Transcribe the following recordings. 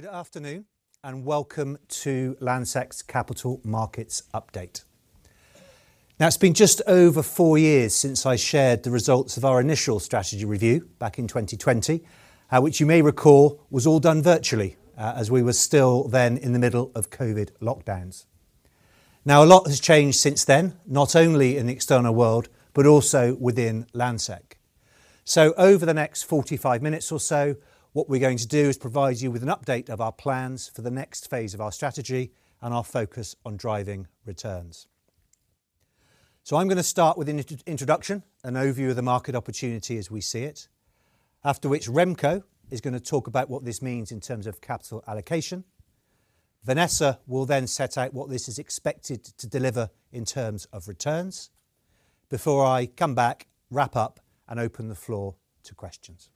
Good afternoon and welcome to Landsec's Capital Markets Update. Now, it's been just over four years since I shared the results of our initial strategy review back in 2020, which you may recall was all done virtually as we were still then in the middle of COVID lockdowns. Now, a lot has changed since then, not only in the external world but also within Landsec, so over the next 45 minutes or so, what we're going to do is provide you with an update of our plans for the next phase of our strategy and our focus on driving returns. So, I'm going to start with an introduction, an overview of the market opportunity as we see it, after which Remco is going to talk about what this means in terms of capital allocation. Vanessa will then set out what this is expected to deliver in terms of returns. Before I come back, wrap up and open the floor to questions.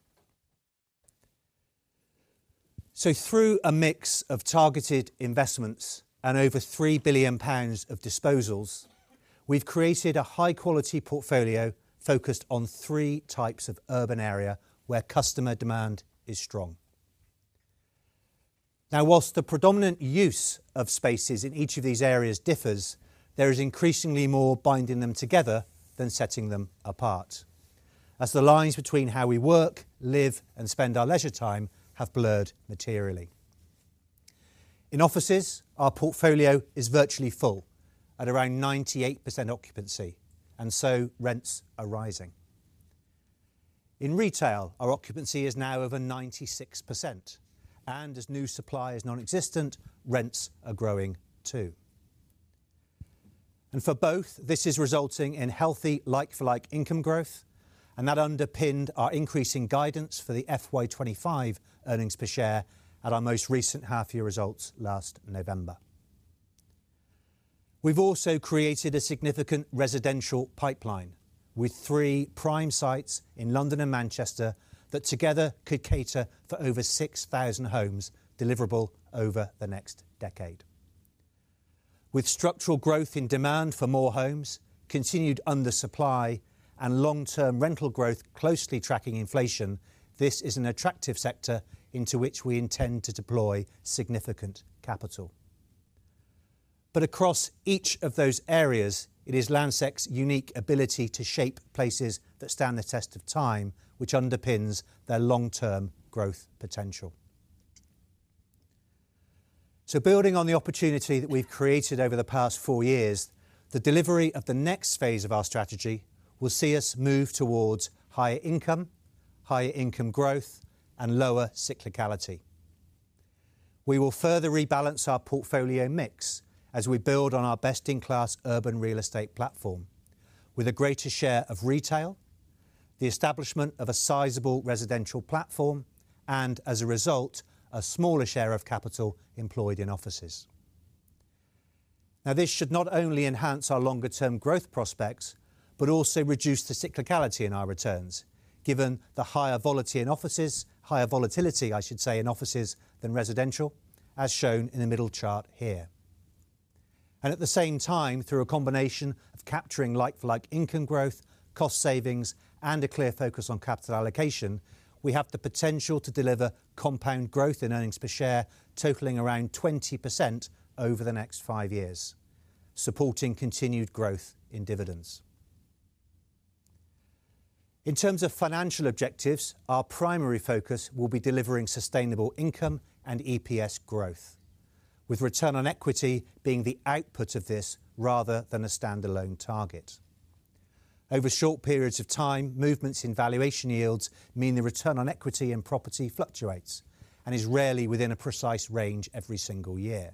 So, through a mix of targeted investments and over 3 billion pounds of disposals, we've created a high-quality portfolio focused on three types of urban area where customer demand is strong. Now, whilst the predominant use of spaces in each of these areas differs, there is increasingly more binding them together than setting them apart, as the lines between how we work, live, and spend our leisure time have blurred materially. In offices, our portfolio is virtually full at around 98% occupancy, and so rents are rising. In retail, our occupancy is now over 96%, and as new supply is non-existent, rents are growing too. And for both, this is resulting in healthy like-for-like income growth, and that underpinned our increasing guidance for the FY 2025 earnings per share at our most recent half-year results last November. We've also created a significant residential pipeline with three prime sites in London and Manchester that together could cater for over 6,000 homes deliverable over the next decade. With structural growth in demand for more homes, continued undersupply, and long-term rental growth closely tracking inflation, this is an attractive sector into which we intend to deploy significant capital. But across each of those areas, it is Landsec's unique ability to shape places that stand the test of time, which underpins their long-term growth potential. Building on the opportunity that we've created over the past four years, the delivery of the next phase of our strategy will see us move towards higher income, higher income growth, and lower cyclicality. We will further rebalance our portfolio mix as we build on our best-in-class urban real estate platform with a greater share of retail, the establishment of a sizable residential platform, and as a result, a smaller share of capital employed in offices. Now, this should not only enhance our longer-term growth prospects but also reduce the cyclicality in our returns, given the higher volatility in offices, higher volatility, I should say, in offices than residential, as shown in the middle chart here. And at the same time, through a combination of capturing like-for-like income growth, cost savings, and a clear focus on capital allocation, we have the potential to deliver compound growth in earnings per share, totaling around 20% over the next five years, supporting continued growth in dividends. In terms of financial objectives, our primary focus will be delivering sustainable income and EPS growth, with return on equity being the output of this rather than a standalone target. Over short periods of time, movements in valuation yields mean the return on equity in property fluctuates and is rarely within a precise range every single year.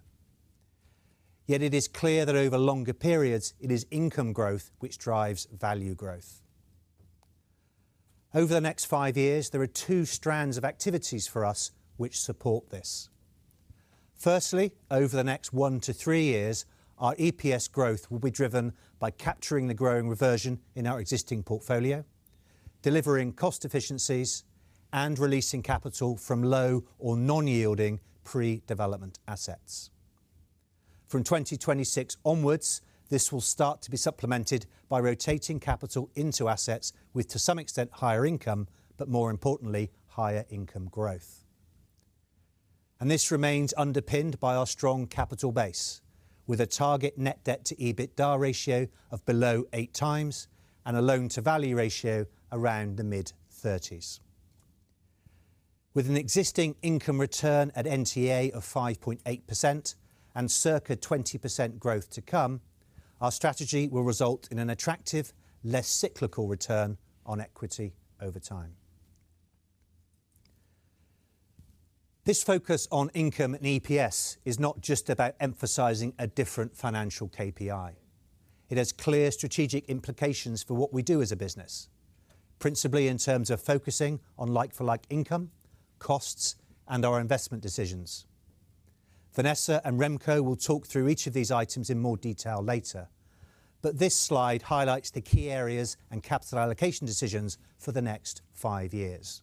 Yet, it is clear that over longer periods, it is income growth which drives value growth. Over the next five years, there are two strands of activities for us which support this. Firstly, over the next one to three years, our EPS growth will be driven by capturing the growing reversion in our existing portfolio, delivering cost efficiencies, and releasing capital from low or non-yielding pre-development assets. From 2026 onwards, this will start to be supplemented by rotating capital into assets with, to some extent, higher income but, more importantly, higher income growth. And this remains underpinned by our strong capital base, with a target net debt to EBITDA ratio of below eight times and a loan-to-value ratio around the mid-30s. With an existing income return at NTA of 5.8% and circa 20% growth to come, our strategy will result in an attractive, less cyclical return on equity over time. This focus on income and EPS is not just about emphasizing a different financial KPI. It has clear strategic implications for what we do as a business, principally in terms of focusing on like-for-like income, costs, and our investment decisions. Vanessa and Remco will talk through each of these items in more detail later, but this slide highlights the key areas and capital allocation decisions for the next five years.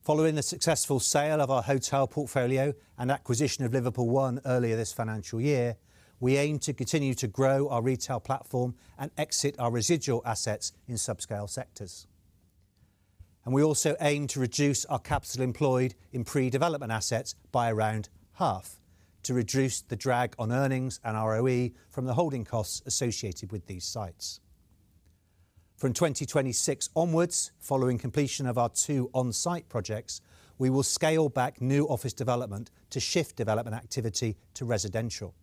Following the successful sale of our hotel portfolio and acquisition of Liverpool ONE earlier this financial year, we aim to continue to grow our retail platform and exit our residual assets in subscale sectors, and we also aim to reduce our capital employed in pre-development assets by around half to reduce the drag on earnings and ROE from the holding costs associated with these sites. From 2026 onwards, following completion of our two on-site projects, we will scale back new office development to shift development activity to residential,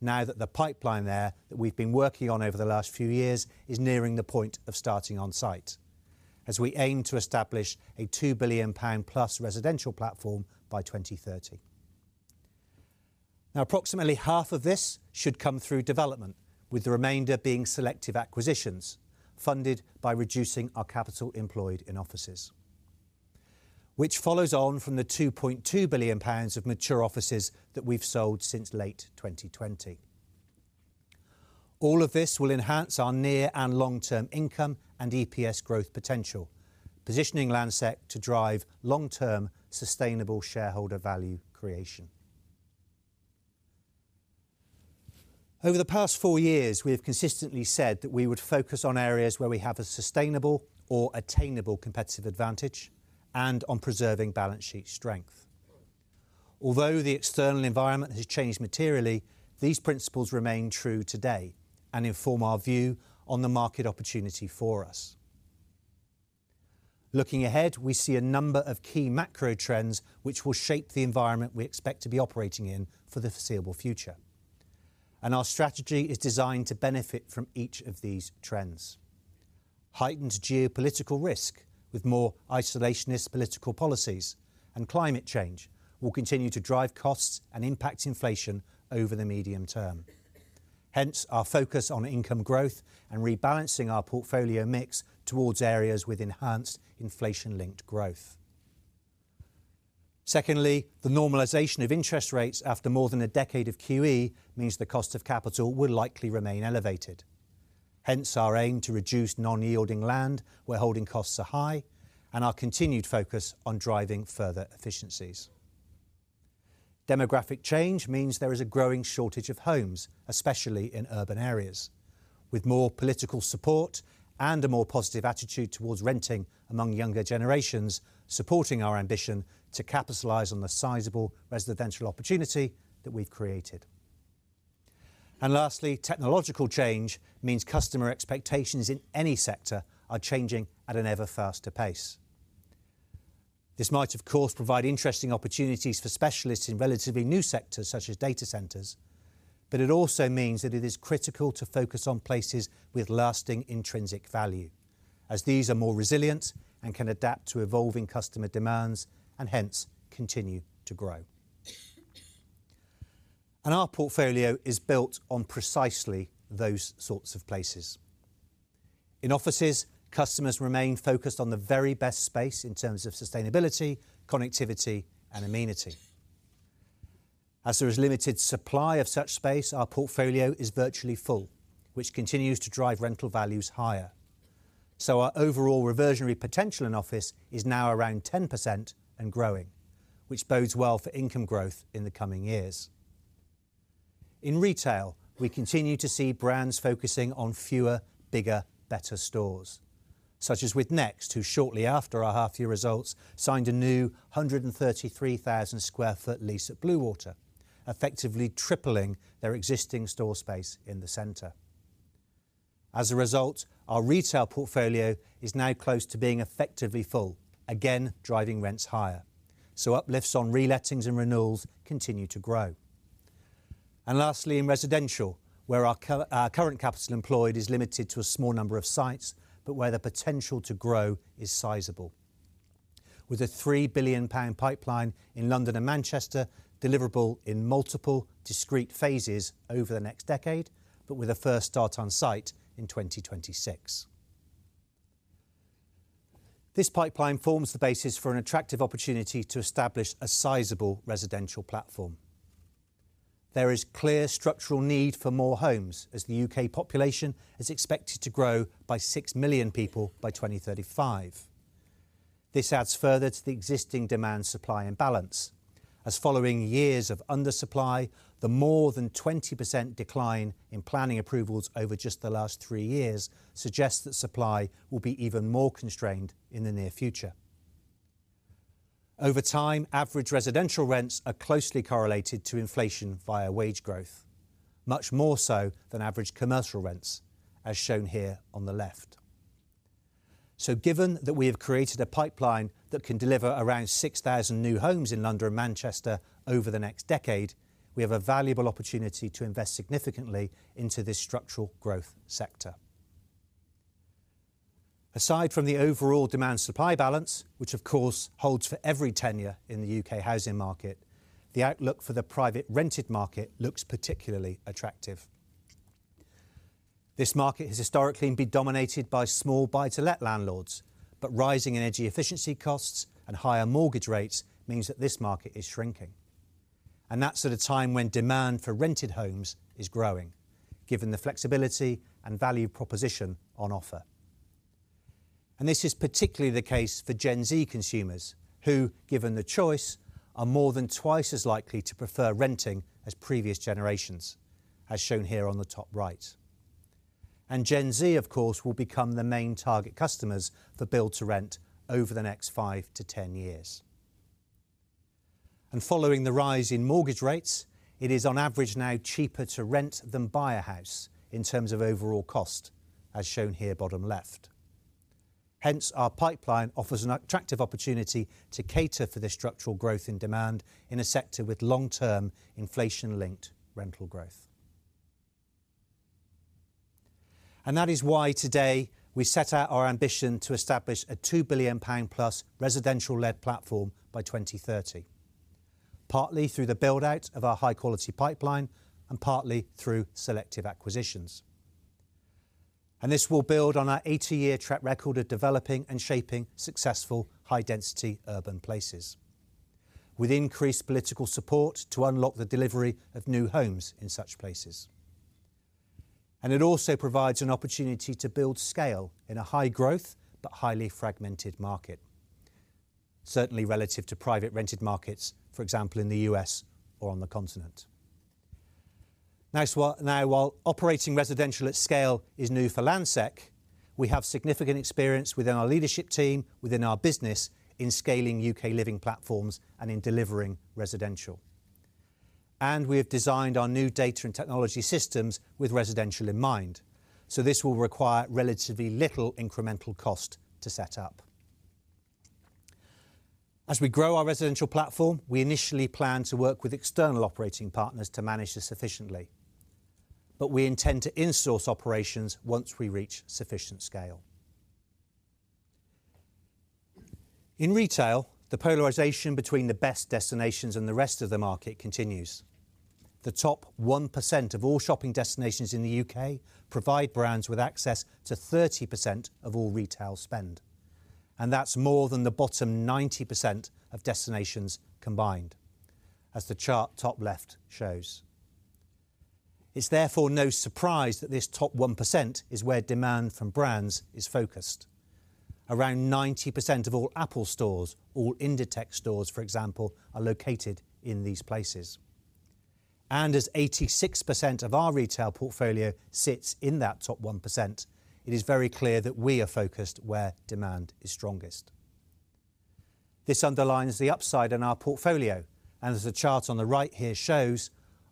now that the pipeline there that we've been working on over the last few years is nearing the point of starting on-site, as we aim to establish a 2 billion pound-plus residential platform by 2030. Now, approximately half of this should come through development, with the remainder being selective acquisitions funded by reducing our capital employed in offices, which follows on from the 2.2 billion pounds of mature offices that we've sold since late 2020. All of this will enhance our near and long-term income and EPS growth potential, positioning Landsec to drive long-term sustainable shareholder value creation. Over the past four years, we have consistently said that we would focus on areas where we have a sustainable or attainable competitive advantage and on preserving balance sheet strength. Although the external environment has changed materially, these principles remain true today and inform our view on the market opportunity for us. Looking ahead, we see a number of key macro trends which will shape the environment we expect to be operating in for the foreseeable future. And our strategy is designed to benefit from each of these trends. Heightened geopolitical risk with more isolationist political policies and climate change will continue to drive costs and impact inflation over the medium term. Hence, our focus on income growth and rebalancing our portfolio mix towards areas with enhanced inflation-linked growth. Secondly, the normalization of interest rates after more than a decade of QE means the cost of capital will likely remain elevated. Hence, our aim to reduce non-yielding land where holding costs are high and our continued focus on driving further efficiencies. Demographic change means there is a growing shortage of homes, especially in urban areas, with more political support and a more positive attitude towards renting among younger generations supporting our ambition to capitalize on the sizable residential opportunity that we've created. And lastly, technological change means customer expectations in any sector are changing at an ever-faster pace. This might, of course, provide interesting opportunities for specialists in relatively new sectors such as data centers, but it also means that it is critical to focus on places with lasting intrinsic value, as these are more resilient and can adapt to evolving customer demands and hence continue to grow. And our portfolio is built on precisely those sorts of places. In offices, customers remain focused on the very best space in terms of sustainability, connectivity, and amenity. As there is limited supply of such space, our portfolio is virtually full, which continues to drive rental values higher. So, our overall reversionary potential in office is now around 10% and growing, which bodes well for income growth in the coming years. In retail, we continue to see brands focusing on fewer, bigger, better stores, such as with Next, who shortly after our half-year results signed a new 133,000 sq ft lease at Bluewater, effectively tripling their existing store space in the center. As a result, our retail portfolio is now close to being effectively full, again driving rents higher. So, uplifts on relettings and renewals continue to grow. Lastly, in residential, where our current capital employed is limited to a small number of sites but where the potential to grow is sizable, with a 3 billion pound pipeline in London and Manchester deliverable in multiple discrete phases over the next decade but with a first start on-site in 2026. This pipeline forms the basis for an attractive opportunity to establish a sizable residential platform. There is clear structural need for more homes as the U.K. population is expected to grow by six million people by 2035. This adds further to the existing demand-supply imbalance, as following years of undersupply, the more than 20% decline in planning approvals over just the last three years suggests that supply will be even more constrained in the near future. Over time, average residential rents are closely correlated to inflation via wage growth, much more so than average commercial rents, as shown here on the left. So, given that we have created a pipeline that can deliver around 6,000 new homes in London and Manchester over the next decade, we have a valuable opportunity to invest significantly into this structural growth sector. Aside from the overall demand-supply balance, which of course holds for every tenure in the U.K. housing market, the outlook for the private rented market looks particularly attractive. This market has historically been dominated by small buy-to-let landlords, but rising energy efficiency costs and higher mortgage rates mean that this market is shrinking. And that's at a time when demand for rented homes is growing, given the flexibility and value proposition on offer. This is particularly the case for Gen Z consumers who, given the choice, are more than twice as likely to prefer renting as previous generations, as shown here on the top right. Gen Z, of course, will become the main target customers for build-to-rent over the next five to ten years. Following the rise in mortgage rates, it is on average now cheaper to rent than buy a house in terms of overall cost, as shown here bottom left. Hence, our pipeline offers an attractive opportunity to cater for this structural growth in demand in a sector with long-term inflation-linked rental growth. That is why today we set out our ambition to establish a 2 billion pound-plus residential-led platform by 2030, partly through the build-out of our high-quality pipeline and partly through selective acquisitions. And this will build on our 80-year track record of developing and shaping successful high-density urban places, with increased political support to unlock the delivery of new homes in such places. And it also provides an opportunity to build scale in a high-growth but highly fragmented market, certainly relative to private rented markets, for example, in the U.S. or on the continent. Now, while operating residential at scale is new for Landsec, we have significant experience within our leadership team, within our business, in scaling U.K. living platforms and in delivering residential. And we have designed our new data and technology systems with residential in mind, so this will require relatively little incremental cost to set up. As we grow our residential platform, we initially plan to work with external operating partners to manage this efficiently, but we intend to insource operations once we reach sufficient scale. In retail, the polarization between the best destinations and the rest of the market continues. The top 1% of all shopping destinations in the U.K. provide brands with access to 30% of all retail spend, and that's more than the bottom 90% of destinations combined, as the chart top left shows. It's therefore no surprise that this top 1% is where demand from brands is focused. Around 90% of all Apple stores, all Inditex stores, for example, are located in these places. And as 86% of our retail portfolio sits in that top 1%, it is very clear that we are focused where demand is strongest. This underlines the upside in our portfolio, and as the chart on the right here shows,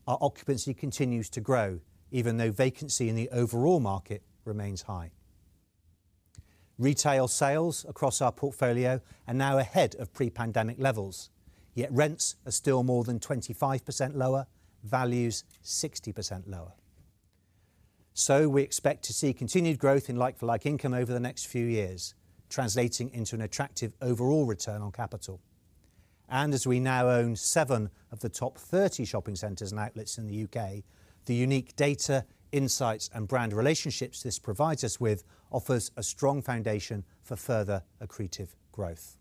our occupancy continues to grow, even though vacancy in the overall market remains high. Retail sales across our portfolio are now ahead of pre-pandemic levels, yet rents are still more than 25% lower, values 60% lower, so we expect to see continued growth in like-for-like income over the next few years, translating into an attractive overall return on capital, and as we now own seven of the top 30 shopping centres and outlets in the U.K., the unique data, insights, and brand relationships this provides us with offers a strong foundation for further accretive growth.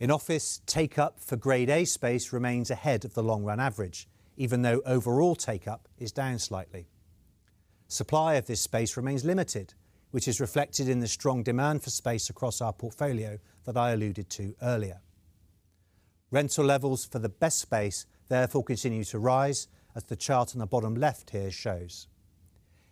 In office, take-up for Grade A space remains ahead of the long-run average, even though overall take-up is down slightly. Supply of this space remains limited, which is reflected in the strong demand for space across our portfolio that I alluded to earlier. Rental levels for the best space therefore continue to rise, as the chart on the bottom left here shows.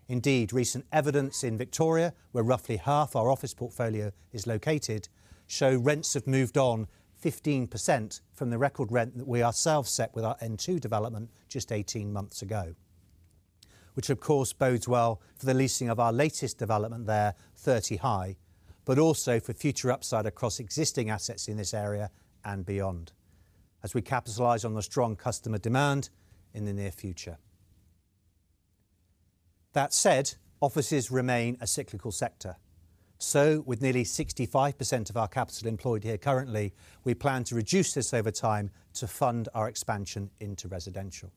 Indeed, recent evidence in Victoria, where roughly half our office portfolio is located, shows rents have moved on 15% from the record rent that we ourselves set with our n2 development just 18 months ago, which of course bodes well for the leasing of our latest development there, Thirty High, but also for future upside across existing assets in this area and beyond, as we capitalize on the strong customer demand in the near future. That said, offices remain a cyclical sector. So, with nearly 65% of our capital employed here currently, we plan to reduce this over time to fund our expansion into residential.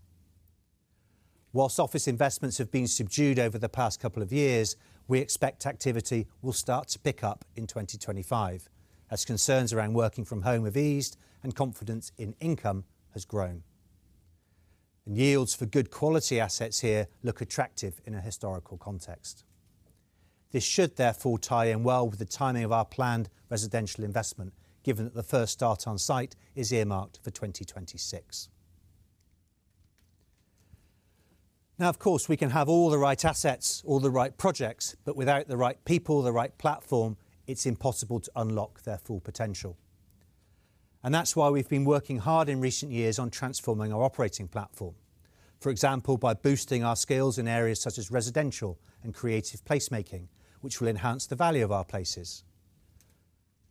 While office investments have been subdued over the past couple of years, we expect activity will start to pick up in 2025, as concerns around working from home have eased and confidence in income has grown. And yields for good quality assets here look attractive in a historical context. This should therefore tie in well with the timing of our planned residential investment, given that the first start on-site is earmarked for 2026. Now, of course, we can have all the right assets, all the right projects, but without the right people, the right platform, it's impossible to unlock their full potential. And that's why we've been working hard in recent years on transforming our operating platform, for example, by boosting our skills in areas such as residential and creative placemaking, which will enhance the value of our places.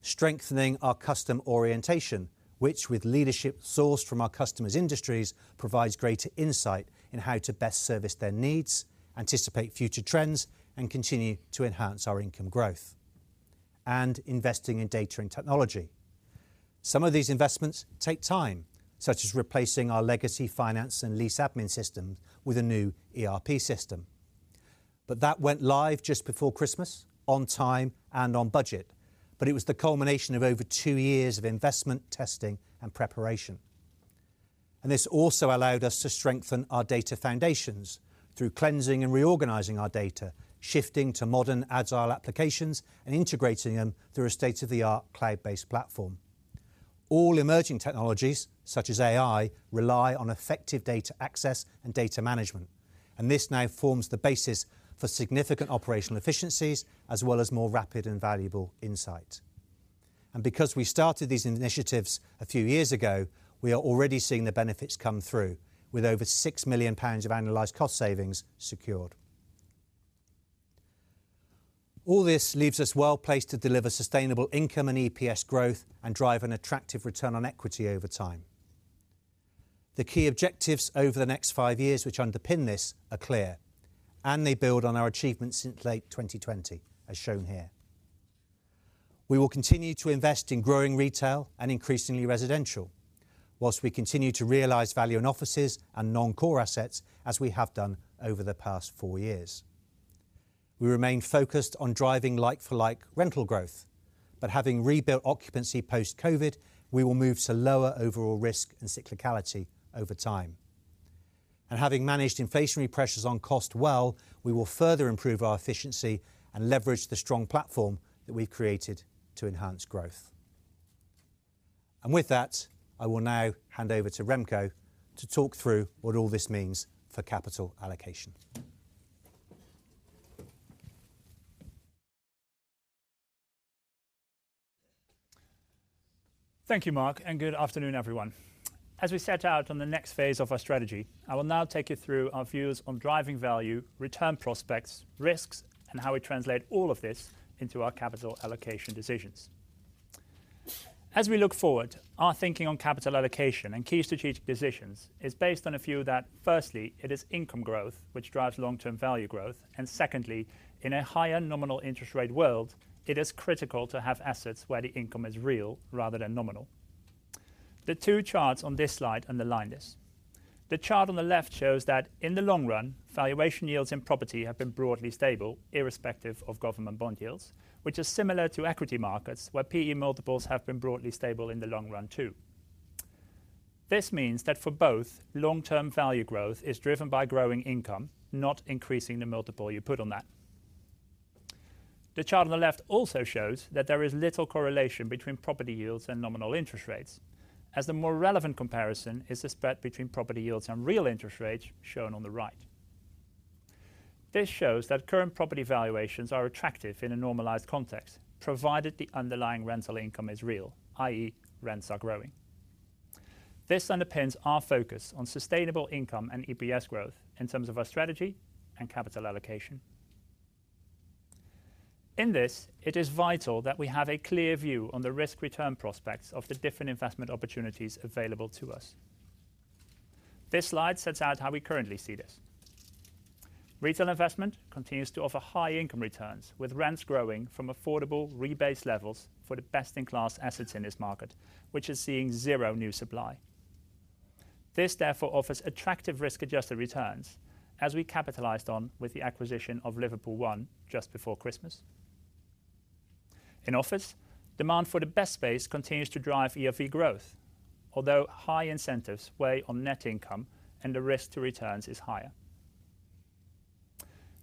Strengthening our customer orientation, which, with leadership sourced from our customers' industries, provides greater insight in how to best service their needs, anticipate future trends, and continue to enhance our income growth. And investing in data and technology. Some of these investments take time, such as replacing our legacy finance and lease admin system with a new ERP system, but that went live just before Christmas, on time and on budget, but it was the culmination of over two years of investment, testing, and preparation, and this also allowed us to strengthen our data foundations through cleansing and reorganizing our data, shifting to modern agile applications and integrating them through a state-of-the-art cloud-based platform. All emerging technologies, such as AI, rely on effective data access and data management, and this now forms the basis for significant operational efficiencies as well as more rapid and valuable insight, and because we started these initiatives a few years ago, we are already seeing the benefits come through, with over 6 million pounds of annualized cost savings secured. All this leaves us well placed to deliver sustainable income and EPS growth and drive an attractive return on equity over time. The key objectives over the next five years which underpin this are clear, and they build on our achievements since late 2020, as shown here. We will continue to invest in growing retail and increasingly residential, whilst we continue to realize value in offices and non-core assets as we have done over the past four years. We remain focused on driving like-for-like rental growth, but having rebuilt occupancy post-COVID, we will move to lower overall risk and cyclicality over time. And having managed inflationary pressures on cost well, we will further improve our efficiency and leverage the strong platform that we've created to enhance growth. And with that, I will now hand over to Remco to talk through what all this means for capital allocation. Thank you, Mark, and good afternoon, everyone. As we set out on the next phase of our strategy, I will now take you through our views on driving value, return prospects, risks, and how we translate all of this into our capital allocation decisions. As we look forward, our thinking on capital allocation and key strategic decisions is based on a view that, firstly, it is income growth which drives long-term value growth, and secondly, in a higher nominal interest rate world, it is critical to have assets where the income is real rather than nominal. The two charts on this slide underline this. The chart on the left shows that in the long run, valuation yields in property have been broadly stable, irrespective of government bond yields, which is similar to equity markets where P/E multiples have been broadly stable in the long run too. This means that for both, long-term value growth is driven by growing income, not increasing the multiple you put on that. The chart on the left also shows that there is little correlation between property yields and nominal interest rates, as the more relevant comparison is the spread between property yields and real interest rates, shown on the right. This shows that current property valuations are attractive in a normalized context, provided the underlying rental income is real, i.e., rents are growing. This underpins our focus on sustainable income and EPS growth in terms of our strategy and capital allocation. In this, it is vital that we have a clear view on the risk-return prospects of the different investment opportunities available to us. This slide sets out how we currently see this. Retail investment continues to offer high income returns, with rents growing from affordable rebase levels for the best-in-class assets in this market, which is seeing zero new supply. This therefore offers attractive risk-adjusted returns, as we capitalized on with the acquisition of Liverpool ONE just before Christmas. In office, demand for the best space continues to drive ERV growth, although high incentives weigh on net income and the risk-to-returns is higher.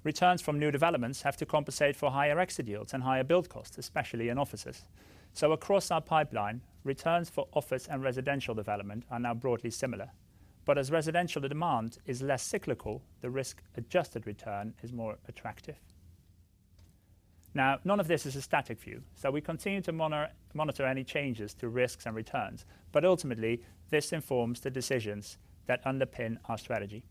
Returns from new developments have to compensate for higher exit yields and higher build costs, especially in offices. So across our pipeline, returns for office and residential development are now broadly similar, but as residential demand is less cyclical, the risk-adjusted return is more attractive. Now, none of this is a static view, so we continue to monitor any changes to risks and returns, but ultimately, this informs the decisions that underpin our strategy.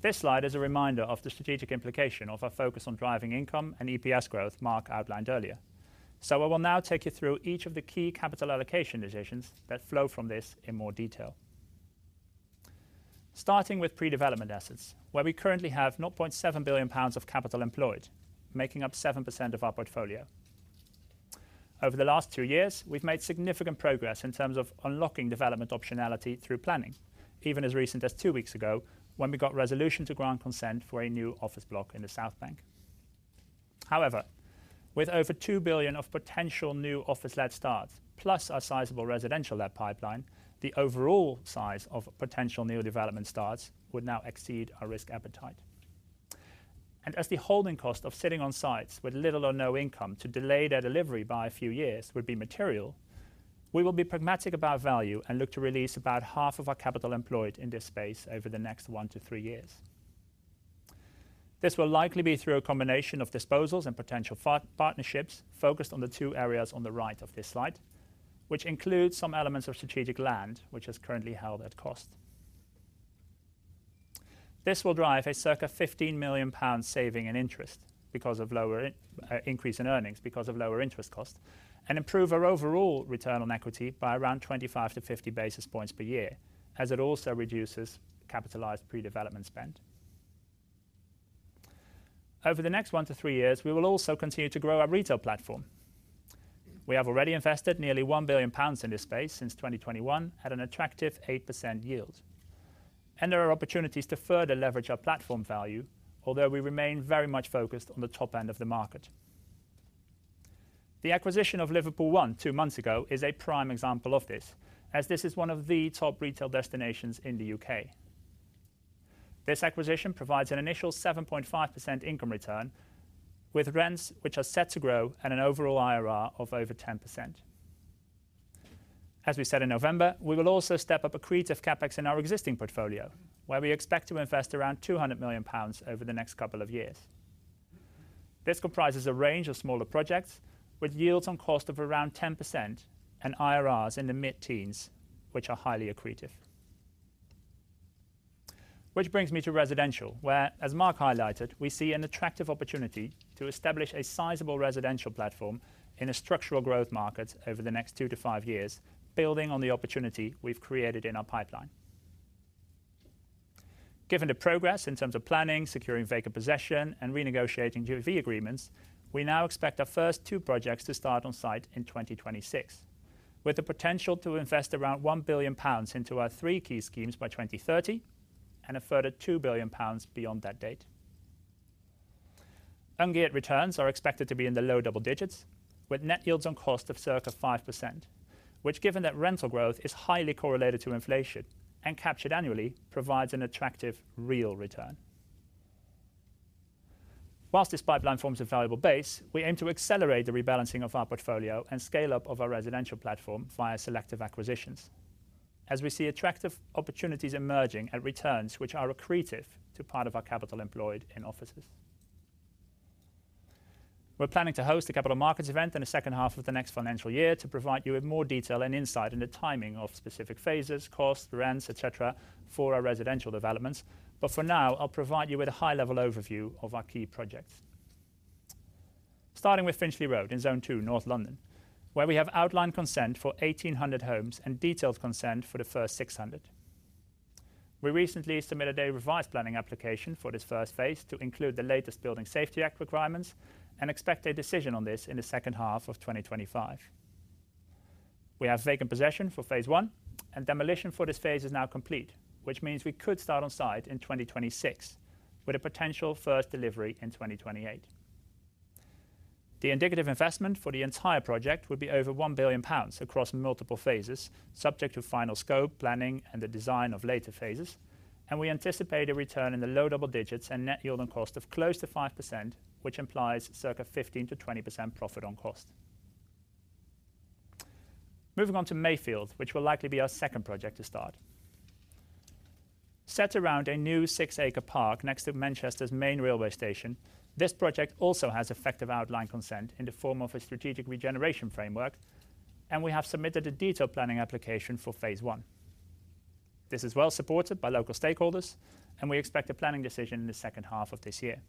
This slide is a reminder of the strategic implication of our focus on driving income and EPS growth Mark outlined earlier. So I will now take you through each of the key capital allocation decisions that flow from this in more detail. Starting with pre-development assets, where we currently have 0.7 billion pounds of capital employed, making up 7% of our portfolio. Over the last two years, we've made significant progress in terms of unlocking development optionality through planning, even as recent as two weeks ago, when we got resolution to grant consent for a new office block in the South Bank. However, with over 2 billion of potential new office-led starts, plus our sizable residential-led pipeline, the overall size of potential new development starts would now exceed our risk appetite. As the holding cost of sitting on sites with little or no income to delay their delivery by a few years would be material, we will be pragmatic about value and look to release about half of our capital employed in this space over the next one to three years. This will likely be through a combination of disposals and potential partnerships focused on the two areas on the right of this slide, which include some elements of strategic land, which is currently held at cost. This will drive a circa 15 million pounds saving in interest because of lower increase in earnings because of lower interest costs and improve our overall return on equity by around 25-50 basis points per year, as it also reduces capitalized pre-development spend. Over the next one to three years, we will also continue to grow our retail platform. We have already invested nearly 1 billion pounds in this space since 2021 at an attractive 8% yield. There are opportunities to further leverage our platform value, although we remain very much focused on the top end of the market. The acquisition of Liverpool ONE two months ago is a prime example of this, as this is one of the top retail destinations in the U.K.. This acquisition provides an initial 7.5% income return, with rents which are set to grow and an overall IRR of over 10%. As we said in November, we will also step up accretive CapEx in our existing portfolio, where we expect to invest around 200 million pounds over the next couple of years. This comprises a range of smaller projects with yields on cost of around 10% and IRRs in the mid-teens, which are highly accretive. Which brings me to residential, where, as Mark highlighted, we see an attractive opportunity to establish a sizable residential platform in a structural growth market over the next two to five years, building on the opportunity we've created in our pipeline. Given the progress in terms of planning, securing vacant possession, and renegotiating EOV agreements, we now expect our first two projects to start on-site in 2026, with the potential to invest around 1 billion pounds into our three key schemes by 2030 and a further 2 billion pounds beyond that date. Ungeared returns are expected to be in the low double digits, with net yields on cost of circa 5%, which, given that rental growth is highly correlated to inflation and captured annually, provides an attractive real return. While this pipeline forms a valuable base, we aim to accelerate the rebalancing of our portfolio and scale-up of our residential platform via selective acquisitions, as we see attractive opportunities emerging at returns which are accretive to part of our capital employed in offices. We're planning to host a capital markets event in the second half of the next financial year to provide you with more detail and insight into the timing of specific phases, costs, rents, etc., for our residential developments. But for now, I'll provide you with a high-level overview of our key projects, starting with Finchley Road in Zone 2, North London, where we have outline consent for 1,800 homes and detailed consent for the first 600. We recently submitted a revised planning application for this first phase to include the latest Building Safety Act requirements and expect a decision on this in the second half of 2025. We have vacant possession for phase I, and demolition for this phase is now complete, which means we could start on-site in 2026, with a potential first delivery in 2028. The indicative investment for the entire project would be over 1 billion pounds across multiple phases, subject to final scope, planning, and the design of later phases, and we anticipate a return in the low double digits and net yield on cost of close to 5%, which implies circa 15%-20% profit on cost. Moving on to Mayfield, which will likely be our second project to start, set around a new six-acre park next to Manchester's main railway station, this project also has effective outline consent in the form of a strategic regeneration framework, and we have submitted a detailed planning application for phase I. This is well supported by local stakeholders, and we expect a planning decision in the second half of this year.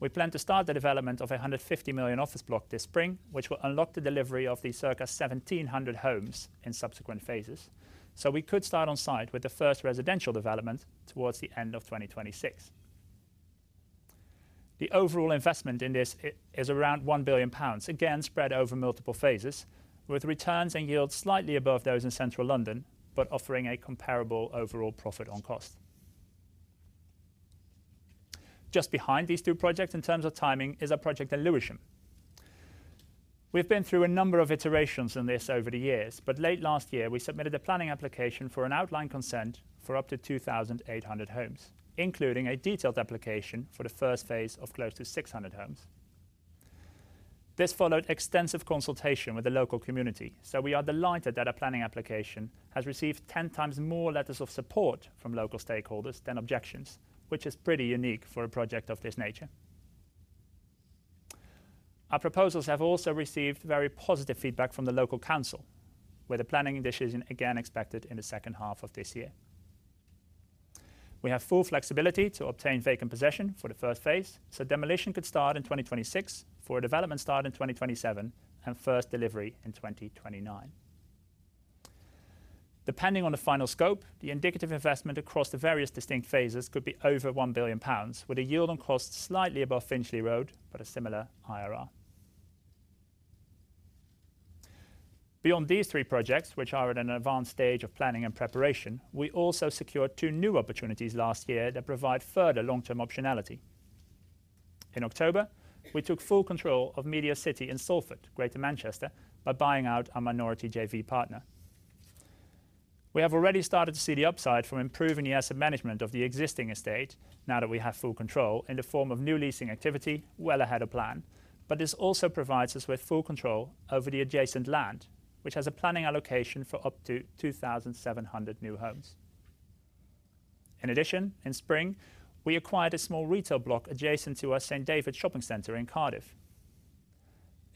We plan to start the development of a 150 million office block this spring, which will unlock the delivery of the circa 1,700 homes in subsequent phases, so we could start on-site with the first residential development towards the end of 2026. The overall investment in this is around 1 billion pounds, again spread over multiple phases, with returns and yields slightly above those in central London, but offering a comparable overall profit on cost. Just behind these two projects in terms of timing is our project in Lewisham. We've been through a number of iterations on this over the years, but late last year, we submitted a planning application for an outline consent for up to 2,800 homes, including a detailed application for the first phase of close to 600 homes. This followed extensive consultation with the local community, so we are delighted that our planning application has received ten times more letters of support from local stakeholders than objections, which is pretty unique for a project of this nature. Our proposals have also received very positive feedback from the local council, with a planning decision again expected in the second half of this year. We have full flexibility to obtain vacant possession for the first phase, so demolition could start in 2026 for a development start in 2027 and first delivery in 2029. Depending on the final scope, the indicative investment across the various distinct phases could be over 1 billion pounds, with a yield on cost slightly above Finchley Road, but a similar IRR. Beyond these three projects, which are at an advanced stage of planning and preparation, we also secured two new opportunities last year that provide further long-term optionality. In October, we took full control of MediaCity in Salford, Greater Manchester, by buying out our minority JV partner. We have already started to see the upside from improving the asset management of the existing estate, now that we have full control, in the form of new leasing activity well ahead of plan, but this also provides us with full control over the adjacent land, which has a planning allocation for up to 2,700 new homes. In addition, in spring, we acquired a small retail block adjacent to our St David's shopping centre in Cardiff.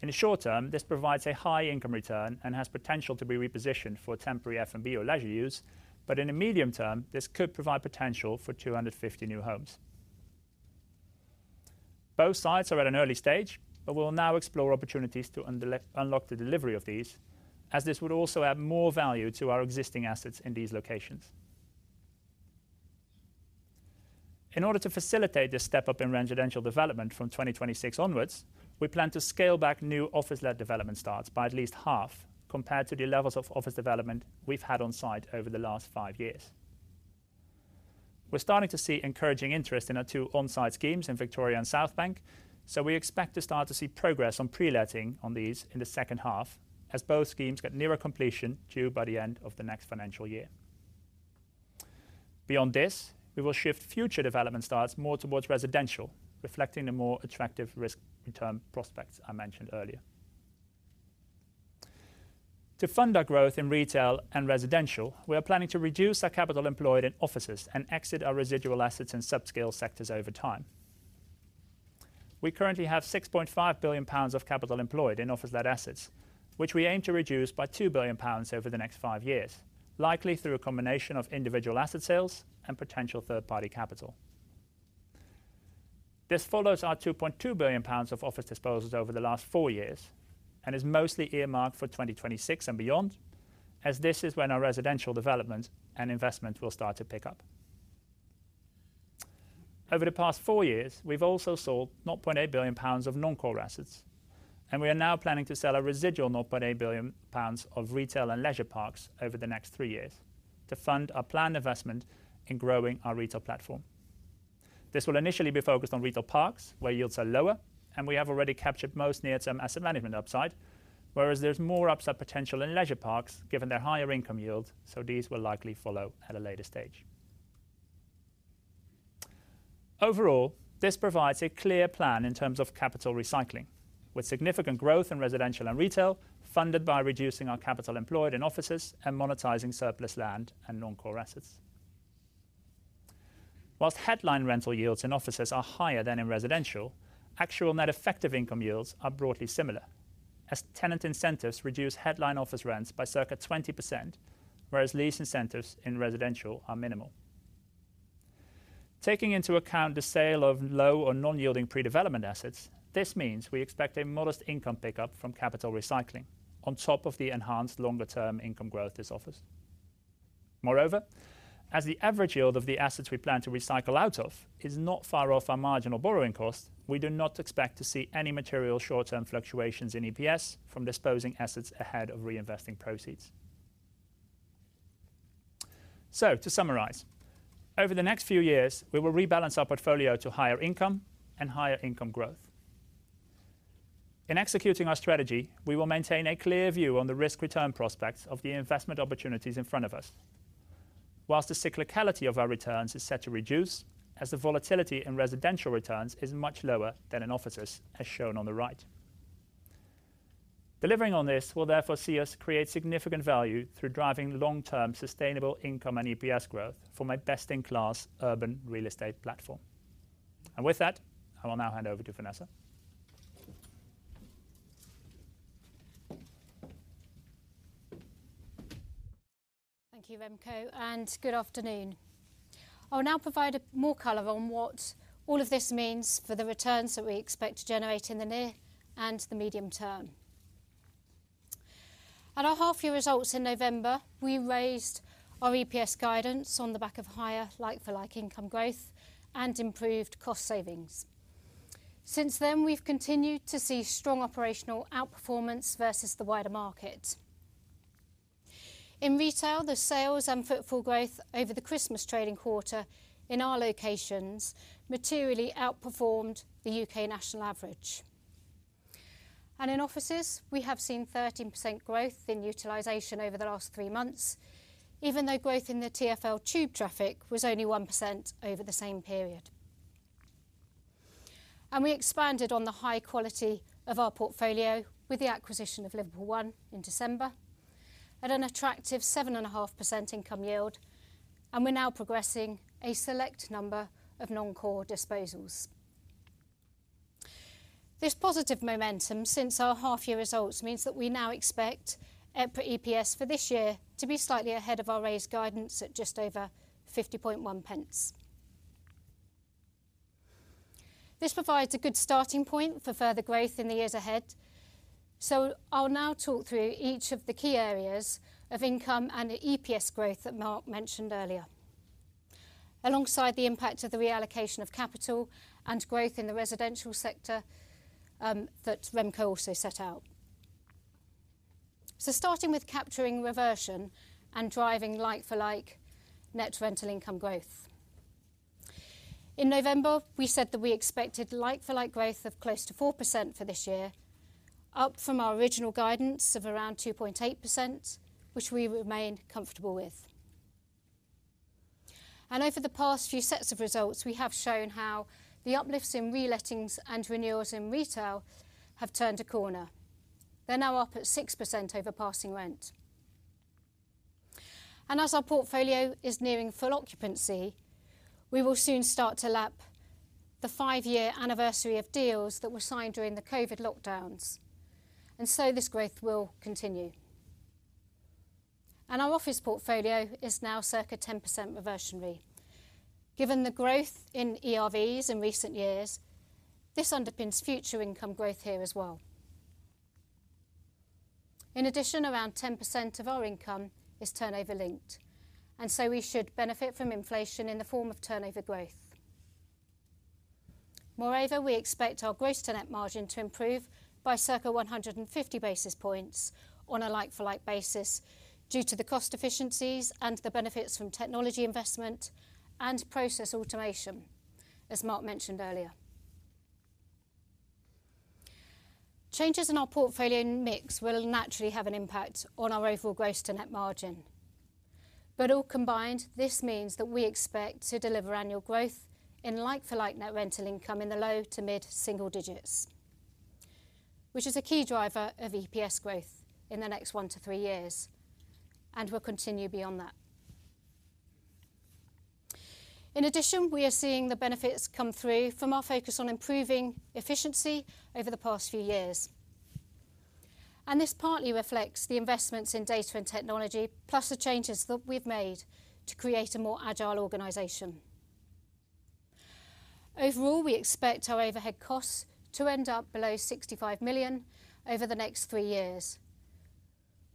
In the short term, this provides a high income return and has potential to be repositioned for temporary F&B or leisure use, but in the medium term, this could provide potential for 250 new homes. Both sites are at an early stage, but we will now explore opportunities to unlock the delivery of these, as this would also add more value to our existing assets in these locations. In order to facilitate this step-up in residential development from 2026 onwards, we plan to scale back new office-led development starts by at least half compared to the levels of office development we've had on-site over the last five years. We're starting to see encouraging interest in our two on-site schemes in Victoria and South Bank, so we expect to start to see progress on pre-letting on these in the second half, as both schemes get nearer completion due by the end of the next financial year. Beyond this, we will shift future development starts more towards residential, reflecting the more attractive risk-return prospects I mentioned earlier. To fund our growth in retail and residential, we are planning to reduce our capital employed in offices and exit our residual assets in subscale sectors over time. We currently have 6.5 billion pounds of capital employed in office-led assets, which we aim to reduce by 2 billion pounds over the next five years, likely through a combination of individual asset sales and potential third-party capital. This follows our 2.2 billion pounds of office disposals over the last four years and is mostly earmarked for 2026 and beyond, as this is when our residential development and investment will start to pick up. Over the past four years, we've also sold 0.8 billion pounds of non-core assets, and we are now planning to sell a residual 0.8 billion pounds of retail and leisure parks over the next three years to fund our planned investment in growing our retail platform. This will initially be focused on retail parks, where yields are lower, and we have already captured most near-term asset management upside, whereas there's more upside potential in leisure parks given their higher income yields, so these will likely follow at a later stage. Overall, this provides a clear plan in terms of capital recycling, with significant growth in residential and retail funded by reducing our capital employed in offices and monetizing surplus land and non-core assets. While headline rental yields in offices are higher than in residential, actual net effective income yields are broadly similar, as tenant incentives reduce headline office rents by circa 20%, whereas lease incentives in residential are minimal. Taking into account the sale of low or non-yielding pre-development assets, this means we expect a modest income pickup from capital recycling on top of the enhanced longer-term income growth this offers. Moreover, as the average yield of the assets we plan to recycle out of is not far off our marginal borrowing cost, we do not expect to see any material short-term fluctuations in EPS from disposing assets ahead of reinvesting proceeds. So, to summarize, over the next few years, we will rebalance our portfolio to higher income and higher income growth. In executing our strategy, we will maintain a clear view on the risk-return prospects of the investment opportunities in front of us, while the cyclicality of our returns is set to reduce, as the volatility in residential returns is much lower than in offices, as shown on the right. Delivering on this will therefore see us create significant value through driving long-term sustainable income and EPS growth for my best-in-class urban real estate platform. And with that, I will now hand over to Vanessa. Thank you, Remco, and good afternoon. I'll now provide more color on what all of this means for the returns that we expect to generate in the near and the medium term. At our half-year results in November, we raised our EPS guidance on the back of higher like-for-like income growth and improved cost savings. Since then, we've continued to see strong operational outperformance versus the wider market. In retail, the sales and footfall growth over the Christmas trading quarter in our locations materially outperformed the U.K. national average. And in offices, we have seen 13% growth in utilization over the last three months, even though growth in the TfL Tube traffic was only 1% over the same period. And we expanded on the high quality of our portfolio with the acquisition of Liverpool ONE in December at an attractive 7.5% income yield, and we're now progressing a select number of non-core disposals. This positive momentum since our half-year results means that we now expect EPS for this year to be slightly ahead of our raised guidance at just over 0.501. This provides a good starting point for further growth in the years ahead, so I'll now talk through each of the key areas of income and EPS growth that Mark mentioned earlier, alongside the impact of the reallocation of capital and growth in the residential sector that Remco also set out. So, starting with capturing reversion and driving like-for-like net rental income growth. In November, we said that we expected like-for-like growth of close to 4% for this year, up from our original guidance of around 2.8%, which we remain comfortable with. And over the past few sets of results, we have shown how the uplifts in re-lettings and renewals in retail have turned a corner. They're now up at 6% over passing rent. As our portfolio is nearing full occupancy, we will soon start to lap the five-year anniversary of deals that were signed during the COVID lockdowns, and so this growth will continue. Our office portfolio is now circa 10% reversionary. Given the growth in ERVs in recent years, this underpins future income growth here as well. In addition, around 10% of our income is turnover-linked, and so we should benefit from inflation in the form of turnover growth. Moreover, we expect our gross-to-net margin to improve by circa 150 basis points on a like-for-like basis due to the cost efficiencies and the benefits from technology investment and process automation, as Mark mentioned earlier. Changes in our portfolio and mix will naturally have an impact on our overall gross-to-net margin, but all combined, this means that we expect to deliver annual growth in like-for-like net rental income in the low to mid single digits, which is a key driver of EPS growth in the next one to three years, and will continue beyond that. In addition, we are seeing the benefits come through from our focus on improving efficiency over the past few years, and this partly reflects the investments in data and technology, plus the changes that we've made to create a more agile organization. Overall, we expect our overhead costs to end up below 65 million over the next three years,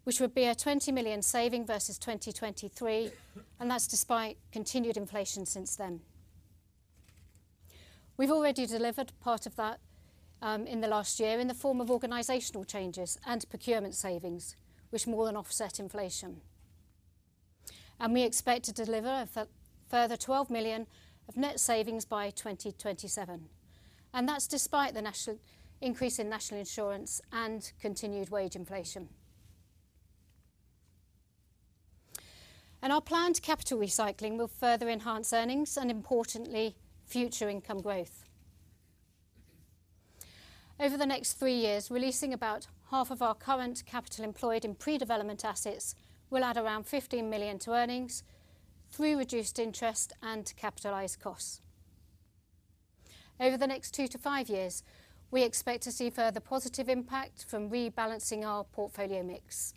which would be a 20 million saving versus 2023, and that's despite continued inflation since then. We've already delivered part of that in the last year in the form of organizational changes and procurement savings, which more than offset inflation, and we expect to deliver a further 12 million of net savings by 2027, and that's despite the national increase in National Nnsurance and continued wage inflation. And our planned capital recycling will further enhance earnings and, importantly, future income growth. Over the next three years, releasing about half of our current capital employed in pre-development assets will add around 15 million to earnings through reduced interest and capitalized costs. Over the next two to five years, we expect to see further positive impact from rebalancing our portfolio mix.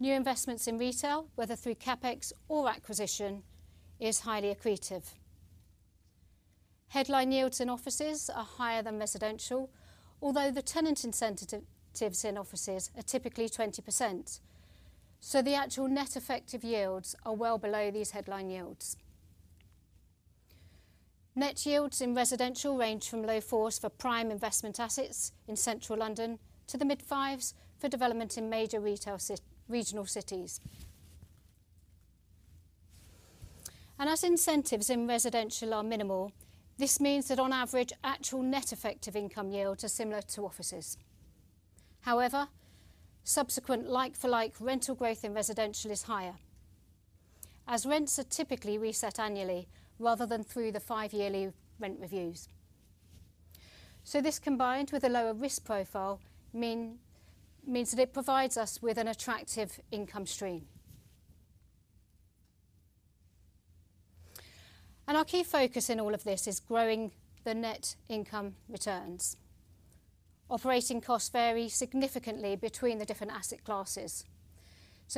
New investments in retail, whether through CapEx or acquisition, are highly accretive. Headline yields in offices are higher than residential, although the tenant incentives in offices are typically 20%, so the actual net effective yields are well below these headline yields. Net yields in residential range from low fours for prime investment assets in central London to the mid-fives for development in major regional cities, and as incentives in residential are minimal, this means that on average, actual net effective income yields are similar to offices. However, subsequent like-for-like rental growth in residential is higher, as rents are typically reset annually rather than through the five-yearly rent reviews, so this, combined with a lower risk profile, means that it provides us with an attractive income stream, and our key focus in all of this is growing the net income returns. Operating costs vary significantly between the different asset classes.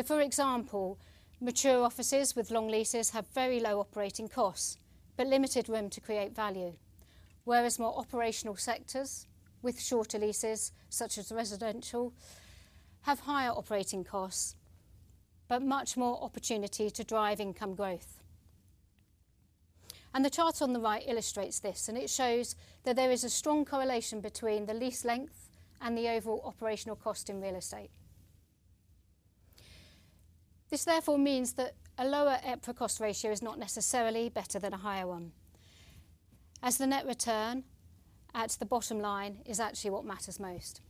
For example, mature offices with long leases have very low operating costs but limited room to create value, whereas more operational sectors with shorter leases, such as residential, have higher operating costs but much more opportunity to drive income growth. The chart on the right illustrates this, and it shows that there is a strong correlation between the lease length and the overall operational cost in real estate. This, therefore, means that a lower EPRA cost ratio is not necessarily better than a higher one, as the net return at the bottom line is actually what matters most.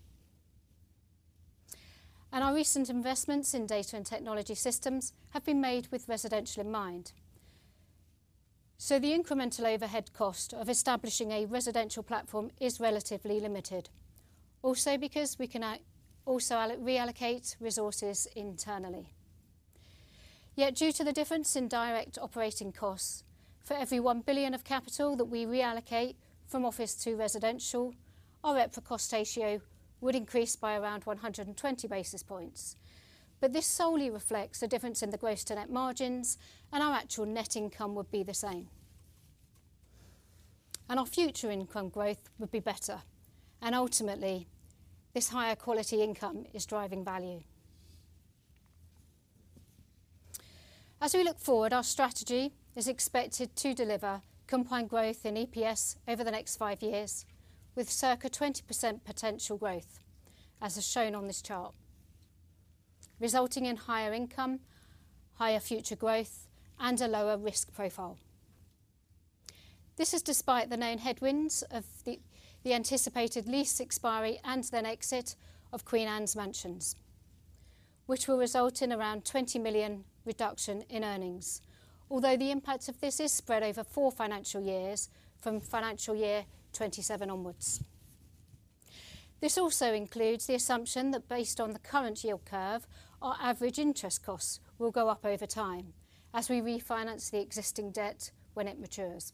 Our recent investments in data and technology systems have been made with residential in mind, so the incremental overhead cost of establishing a residential platform is relatively limited, also because we can also reallocate resources internally. Yet, due to the difference in direct operating costs for every 1 billion of capital that we reallocate from office to residential, our EPRA cost ratio would increase by around 120 basis points, but this solely reflects the difference in the gross-to-net margins, and our actual net income would be the same, and our future income growth would be better, and ultimately, this higher quality income is driving value. As we look forward, our strategy is expected to deliver combined growth in EPS over the next five years, with circa 20% potential growth, as shown on this chart, resulting in higher income, higher future growth, and a lower risk profile. This is despite the known headwinds of the anticipated lease expiry and then exit of Queen Anne's Mansions, which will result in around 20 million reduction in earnings, although the impact of this is spread over four financial years from financial year 2027 onwards. This also includes the assumption that, based on the current yield curve, our average interest costs will go up over time as we refinance the existing debt when it matures.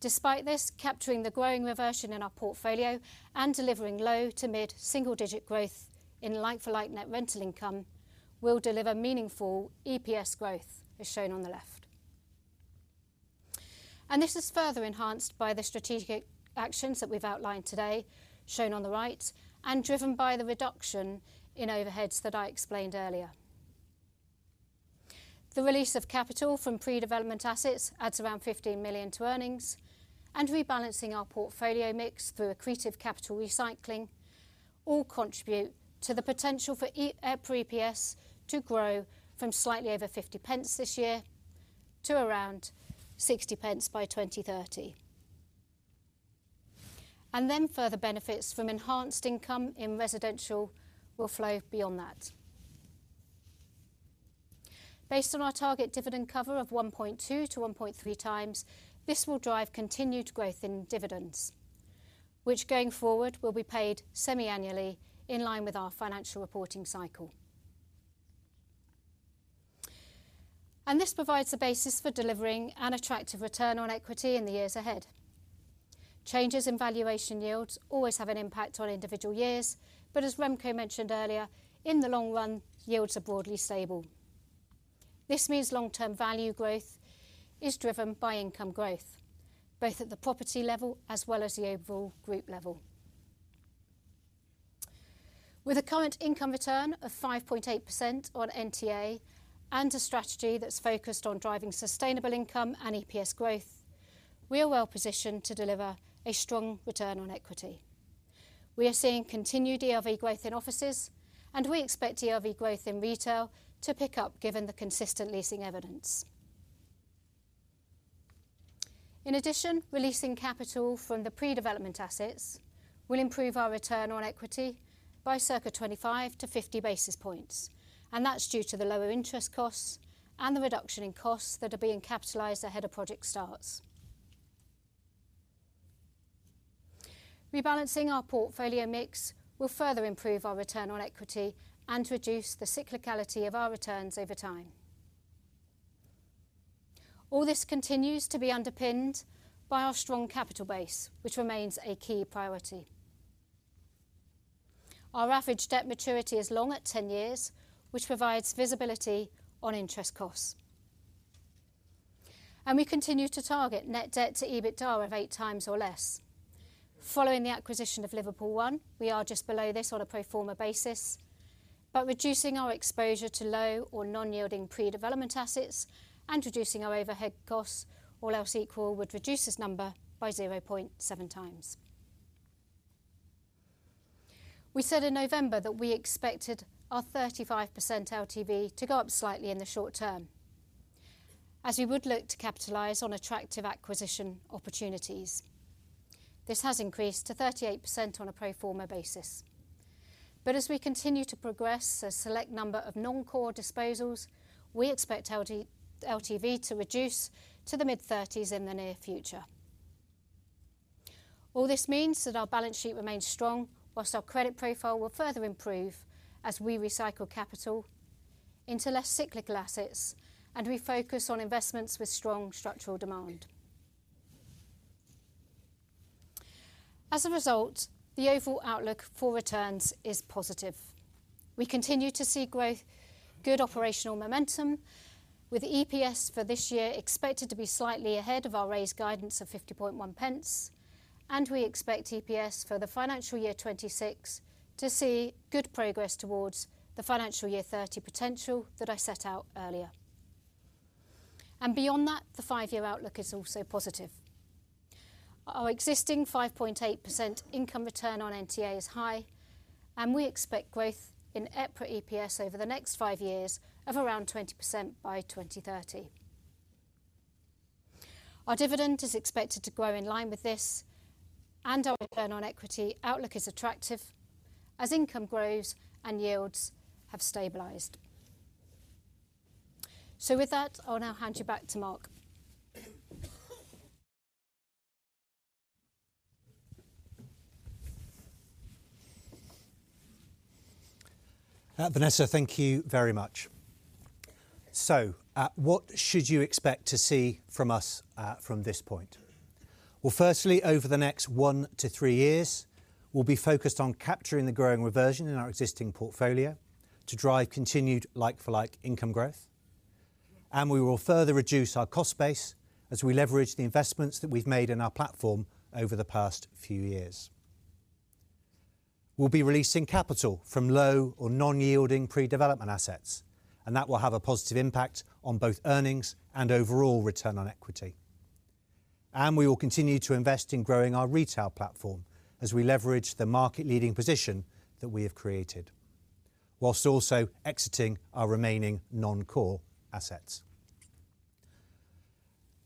Despite this, capturing the growing reversion in our portfolio and delivering low to mid single-digit growth in like-for-like net rental income will deliver meaningful EPS growth, as shown on the left. And this is further enhanced by the strategic actions that we've outlined today, shown on the right, and driven by the reduction in overheads that I explained earlier. The release of capital from pre-development assets adds around 15 million to earnings, and rebalancing our portfolio mix through accretive capital recycling all contribute to the potential for EPRA EPS to grow from slightly over 50 this year to around 60 by 2030, and then further benefits from enhanced income in residential will flow beyond that. Based on our target dividend cover of 1.2 to 1.3 times, this will drive continued growth in dividends, which going forward will be paid semi-annually in line with our financial reporting cycle, and this provides a basis for delivering an attractive return on equity in the years ahead. Changes in valuation yields always have an impact on individual years, but as Remco mentioned earlier, in the long run, yields are broadly stable. This means long-term value growth is driven by income growth, both at the property level as well as the overall group level. With a current income return of 5.8% on NTA and a strategy that's focused on driving sustainable income and EPS growth, we are well positioned to deliver a strong return on equity. We are seeing continued ERV growth in offices, and we expect ERV growth in retail to pick up given the consistent leasing evidence. In addition, releasing capital from the pre-development assets will improve our return on equity by circa 25-50 basis points, and that's due to the lower interest costs and the reduction in costs that are being capitalised ahead of project starts. Rebalancing our portfolio mix will further improve our return on equity and reduce the cyclicality of our returns over time. All this continues to be underpinned by our strong capital base, which remains a key priority. Our average debt maturity is long at 10 years, which provides visibility on interest costs. We continue to target net debt to EBITDA of eight times or less. Following the acquisition of Liverpool ONE, we are just below this on a pro forma basis, but reducing our exposure to low or non-yielding pre-development assets and reducing our overhead costs, all else equal, would reduce this number by 0.7 times. We said in November that we expected our 35% LTV to go up slightly in the short term, as we would look to capitalize on attractive acquisition opportunities. This has increased to 38% on a pro forma basis. But as we continue to progress a select number of non-core disposals, we expect LTV to reduce to the mid-30s in the near future. All this means that our balance sheet remains strong, while our credit profile will further improve as we recycle capital into less cyclical assets and refocus on investments with strong structural demand. As a result, the overall outlook for returns is positive. We continue to see growth, good operational momentum, with EPS for this year expected to be slightly ahead of our raised guidance of 0.501, and we expect EPS for the financial year 2026 to see good progress towards the financial year 2030 potential that I set out earlier, and beyond that, the five-year outlook is also positive. Our existing 5.8% income return on NTA is high, and we expect growth in EPRA EPS over the next five years of around 20% by 2030. Our dividend is expected to grow in line with this, and our return on equity outlook is attractive as income grows and yields have stabilised. So with that, I'll now hand you back to Mark. Vanessa, thank you very much. So what should you expect to see from us from this point? Firstly, over the next one to three years, we'll be focused on capturing the growing reversion in our existing portfolio to drive continued like-for-like income growth, and we will further reduce our cost base as we leverage the investments that we've made in our platform over the past few years. We'll be releasing capital from low or non-yielding pre-development assets, and that will have a positive impact on both earnings and overall return on equity. We will continue to invest in growing our retail platform as we leverage the market-leading position that we have created, whilst also exiting our remaining non-core assets.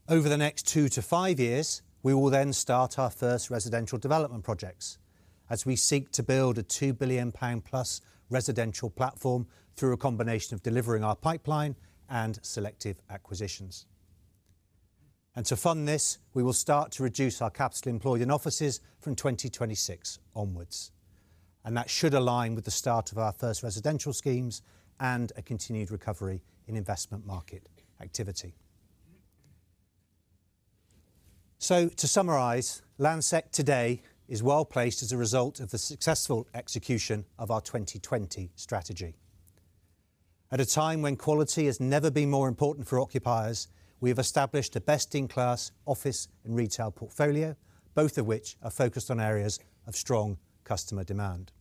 Over the next two to five years, we will then start our first residential development projects as we seek to build a 2 billion pound plus residential platform through a combination of delivering our pipeline and selective acquisitions. To fund this, we will start to reduce our capital employed in offices from 2026 onwards, and that should align with the start of our first residential schemes and a continued recovery in investment market activity. To summarise, Landsec today is well placed as a result of the successful execution of our 2020 strategy. At a time when quality has never been more important for occupiers, we have established a best-in-class office and retail portfolio, both of which are focused on areas of strong customer demand.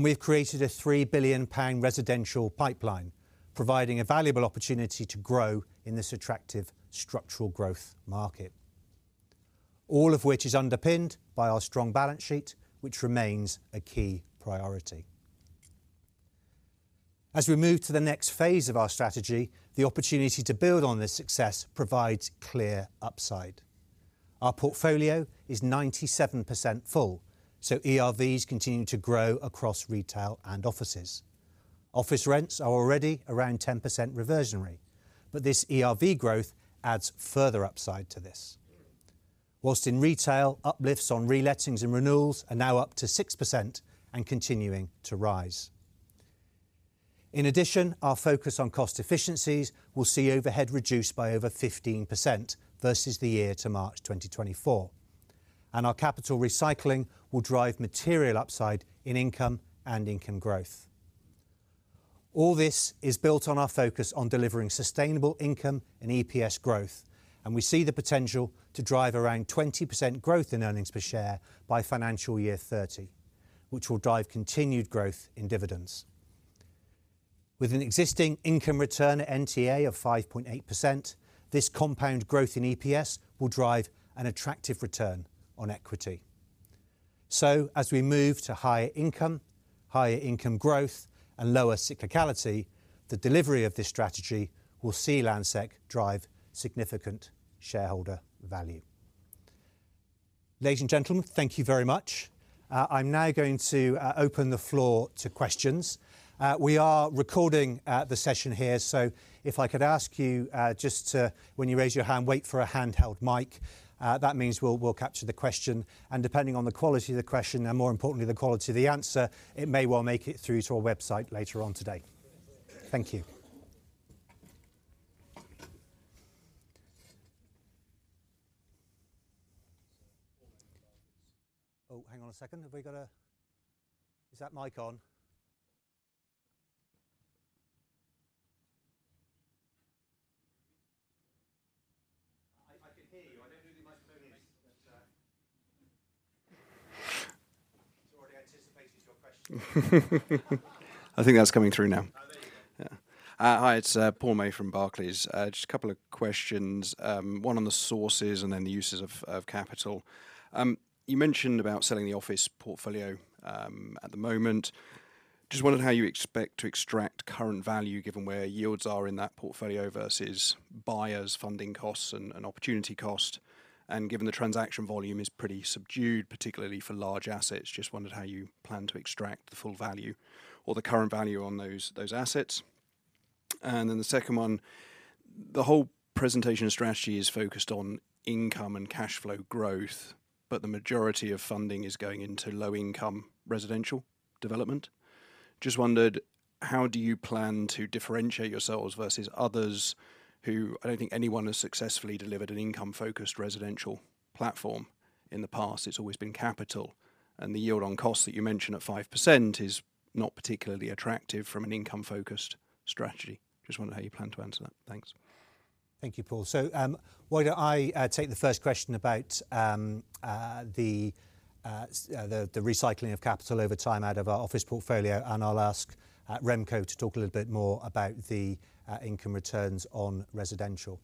We have created a 3 billion pound residential pipeline, providing a valuable opportunity to grow in this attractive structural growth market, all of which is underpinned by our strong balance sheet, which remains a key priority. As we move to the next phase of our strategy, the opportunity to build on this success provides clear upside. Our portfolio is 97% full, so ERVs continue to grow across retail and offices. Office rents are already around 10% reversionary, but this ERV growth adds further upside to this, whilst in retail, uplifts on relettings and renewals are now up to 6% and continuing to rise. In addition, our focus on cost efficiencies will see overhead reduced by over 15% versus the year to March 2024, and our capital recycling will drive material upside in income and income growth. All this is built on our focus on delivering sustainable income and EPS growth, and we see the potential to drive around 20% growth in earnings per share by financial year 2030, which will drive continued growth in dividends. With an existing income return at NTA of 5.8%, this compound growth in EPS will drive an attractive return on equity. So as we move to higher income, higher income growth, and lower cyclicality, the delivery of this strategy will see Landsec drive significant shareholder value. Ladies and gentlemen, thank you very much. I'm now going to open the floor to questions. We are recording the session here, so if I could ask you just to, when you raise your hand, wait for a handheld mic, that means we'll capture the question. And depending on the quality of the question and, more importantly, the quality of the answer, it may well make it through to our website later on today. Thank you. Oh, hang on a second. Have we got a... Is that mic on? I can hear you. I don't know who the microphone is, but it's already anticipated your question. I think that's coming through now. Oh, there you go. Hi, it's Paul May from Barclays. Just a couple of questions, one on the sources and then the uses of capital. You mentioned about selling the office portfolio at the moment. Just wondered how you expect to extract current value given where yields are in that portfolio versus buyers, funding costs, and opportunity costs. And given the transaction volume is pretty subdued, particularly for large assets, just wondered how you plan to extract the full value or the current value on those assets. And then the second one, the whole presentation strategy is focused on income and cash flow growth, but the majority of funding is going into low-income residential development. Just wondered, how do you plan to differentiate yourselves versus others who... I don't think anyone has successfully delivered an income-focused residential platform in the past. It's always been capital, and the yield on costs that you mentioned at 5% is not particularly attractive from an income-focused strategy. Just wondered how you plan to answer that. Thanks. Thank you, Paul. So why don't I take the first question about the recycling of capital over time out of our office portfolio, and I'll ask Remco to talk a little bit more about the income returns on residential.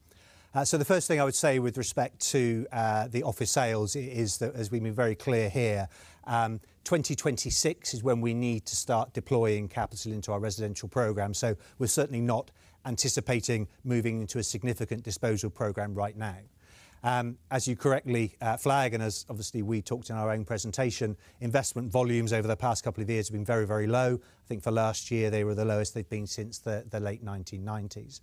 So the first thing I would say with respect to the office sales is that, as we've been very clear here, 2026 is when we need to start deploying capital into our residential program. So we're certainly not anticipating moving into a significant disposal program right now. As you correctly flag, and as obviously we talked in our own presentation, investment volumes over the past couple of years have been very, very low. I think for last year they were the lowest they've been since the late 1990s.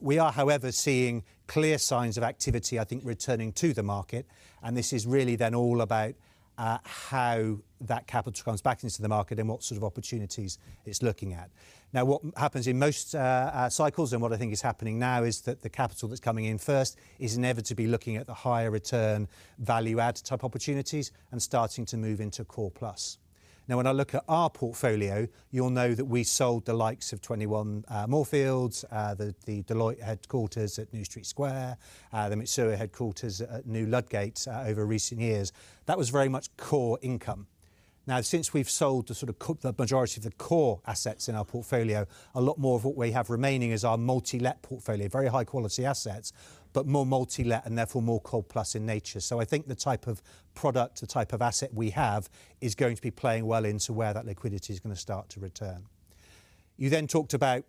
We are, however, seeing clear signs of activity, I think, returning to the market, and this is really then all about how that capital comes back into the market and what sort of opportunities it's looking at. Now, what happens in most cycles and what I think is happening now is that the capital that's coming in first is inevitably looking at the higher return value-add type opportunities and starting to move into core plus. Now, when I look at our portfolio, you'll know that we sold the likes of 21 Moorfields, the Deloitte headquarters at New Street Square, the Mitsui headquarters at New Ludgate over recent years. That was very much core income. Now, since we've sold the sort of the majority of the core assets in our portfolio, a lot more of what we have remaining is our multi-let portfolio, very high-quality assets, but more multi-let and therefore more core plus in nature. So I think the type of product, the type of asset we have is going to be playing well into where that liquidity is going to start to return. You then talked about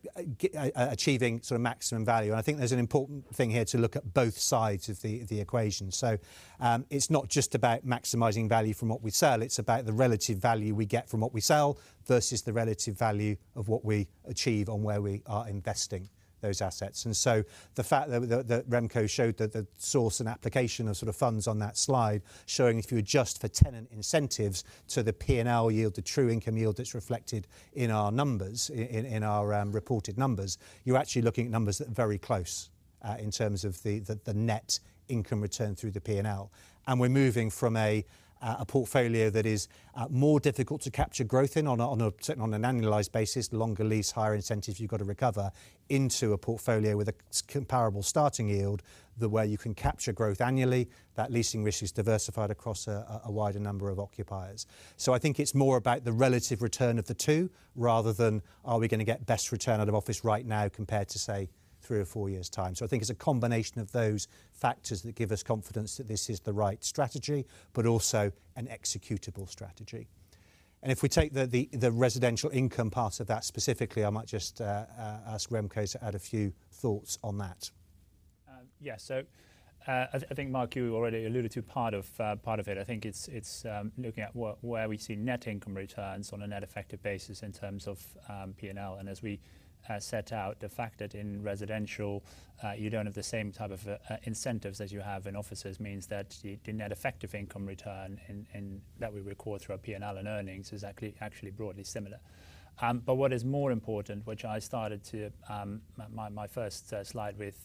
achieving sort of maximum value, and I think there's an important thing here to look at both sides of the equation. So it's not just about maximizing value from what we sell. It's about the relative value we get from what we sell versus the relative value of what we achieve on where we are investing those assets. And so the fact that Remco showed that the source and application of sort of funds on that slide showing if you adjust for tenant incentives to the P&L yield, the true income yield that's reflected in our numbers, in our reported numbers, you're actually looking at numbers that are very close in terms of the net income return through the P&L. And we're moving from a portfolio that is more difficult to capture growth in on an annualized basis, longer lease, higher incentives you've got to recover into a portfolio with a comparable starting yield where you can capture growth annually. That leasing risk is diversified across a wider number of occupiers. So I think it's more about the relative return of the two rather than are we going to get best return out of office right now compared to, say, three or four years' time. So I think it's a combination of those factors that give us confidence that this is the right strategy, but also an executable strategy. And if we take the residential income part of that specifically, I might just ask Remco to add a few thoughts on that. Yeah, so I think Mark, you already alluded to part of it. I think it's looking at where we see net income returns on a net effective basis in terms of P&L. And as we set out, the fact that in residential you don't have the same type of incentives as you have in offices means that the net effective income return that we record through our P&L and earnings is actually broadly similar. But what is more important, which I started to my first slide with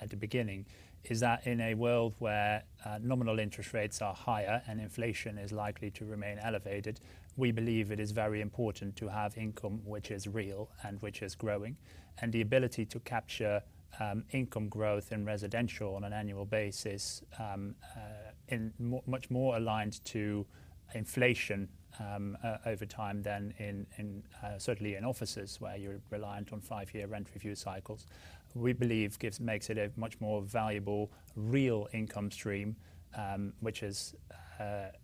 at the beginning, is that in a world where nominal interest rates are higher and inflation is likely to remain elevated, we believe it is very important to have income which is real and which is growing. And the ability to capture income growth in residential on an annual basis is much more aligned to inflation over time than certainly in offices where you're reliant on five-year rent review cycles, we believe, makes it a much more valuable real income stream, which is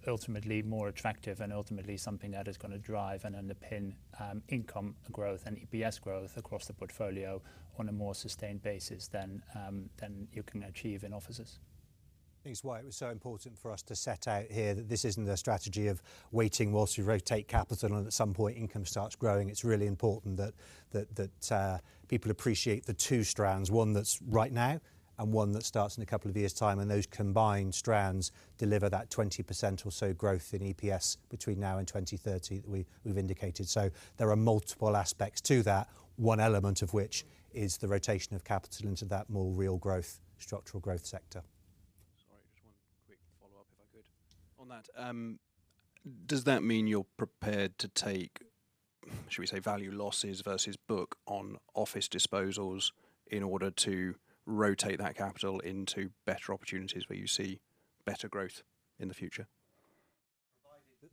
ultimately more attractive and ultimately something that is going to drive and underpin income growth and EPS growth across the portfolio on a more sustained basis than you can achieve in offices. Thanks, while It was so important for us to set out here that this isn't a strategy of waiting whilst we rotate capital and at some point income starts growing. It's really important that people appreciate the two strands, one that's right now and one that starts in a couple of years' time, and those combined strands deliver that 20% or so growth in EPS between now and 2030 that we've indicated. So there are multiple aspects to that, one element of which is the rotation of capital into that more real growth, structural growth sector. Sorry, just one quick follow-up if I could on that. Does that mean you're prepared to take, should we say, value losses versus book on office disposals in order to rotate that capital into better opportunities where you see better growth in the future?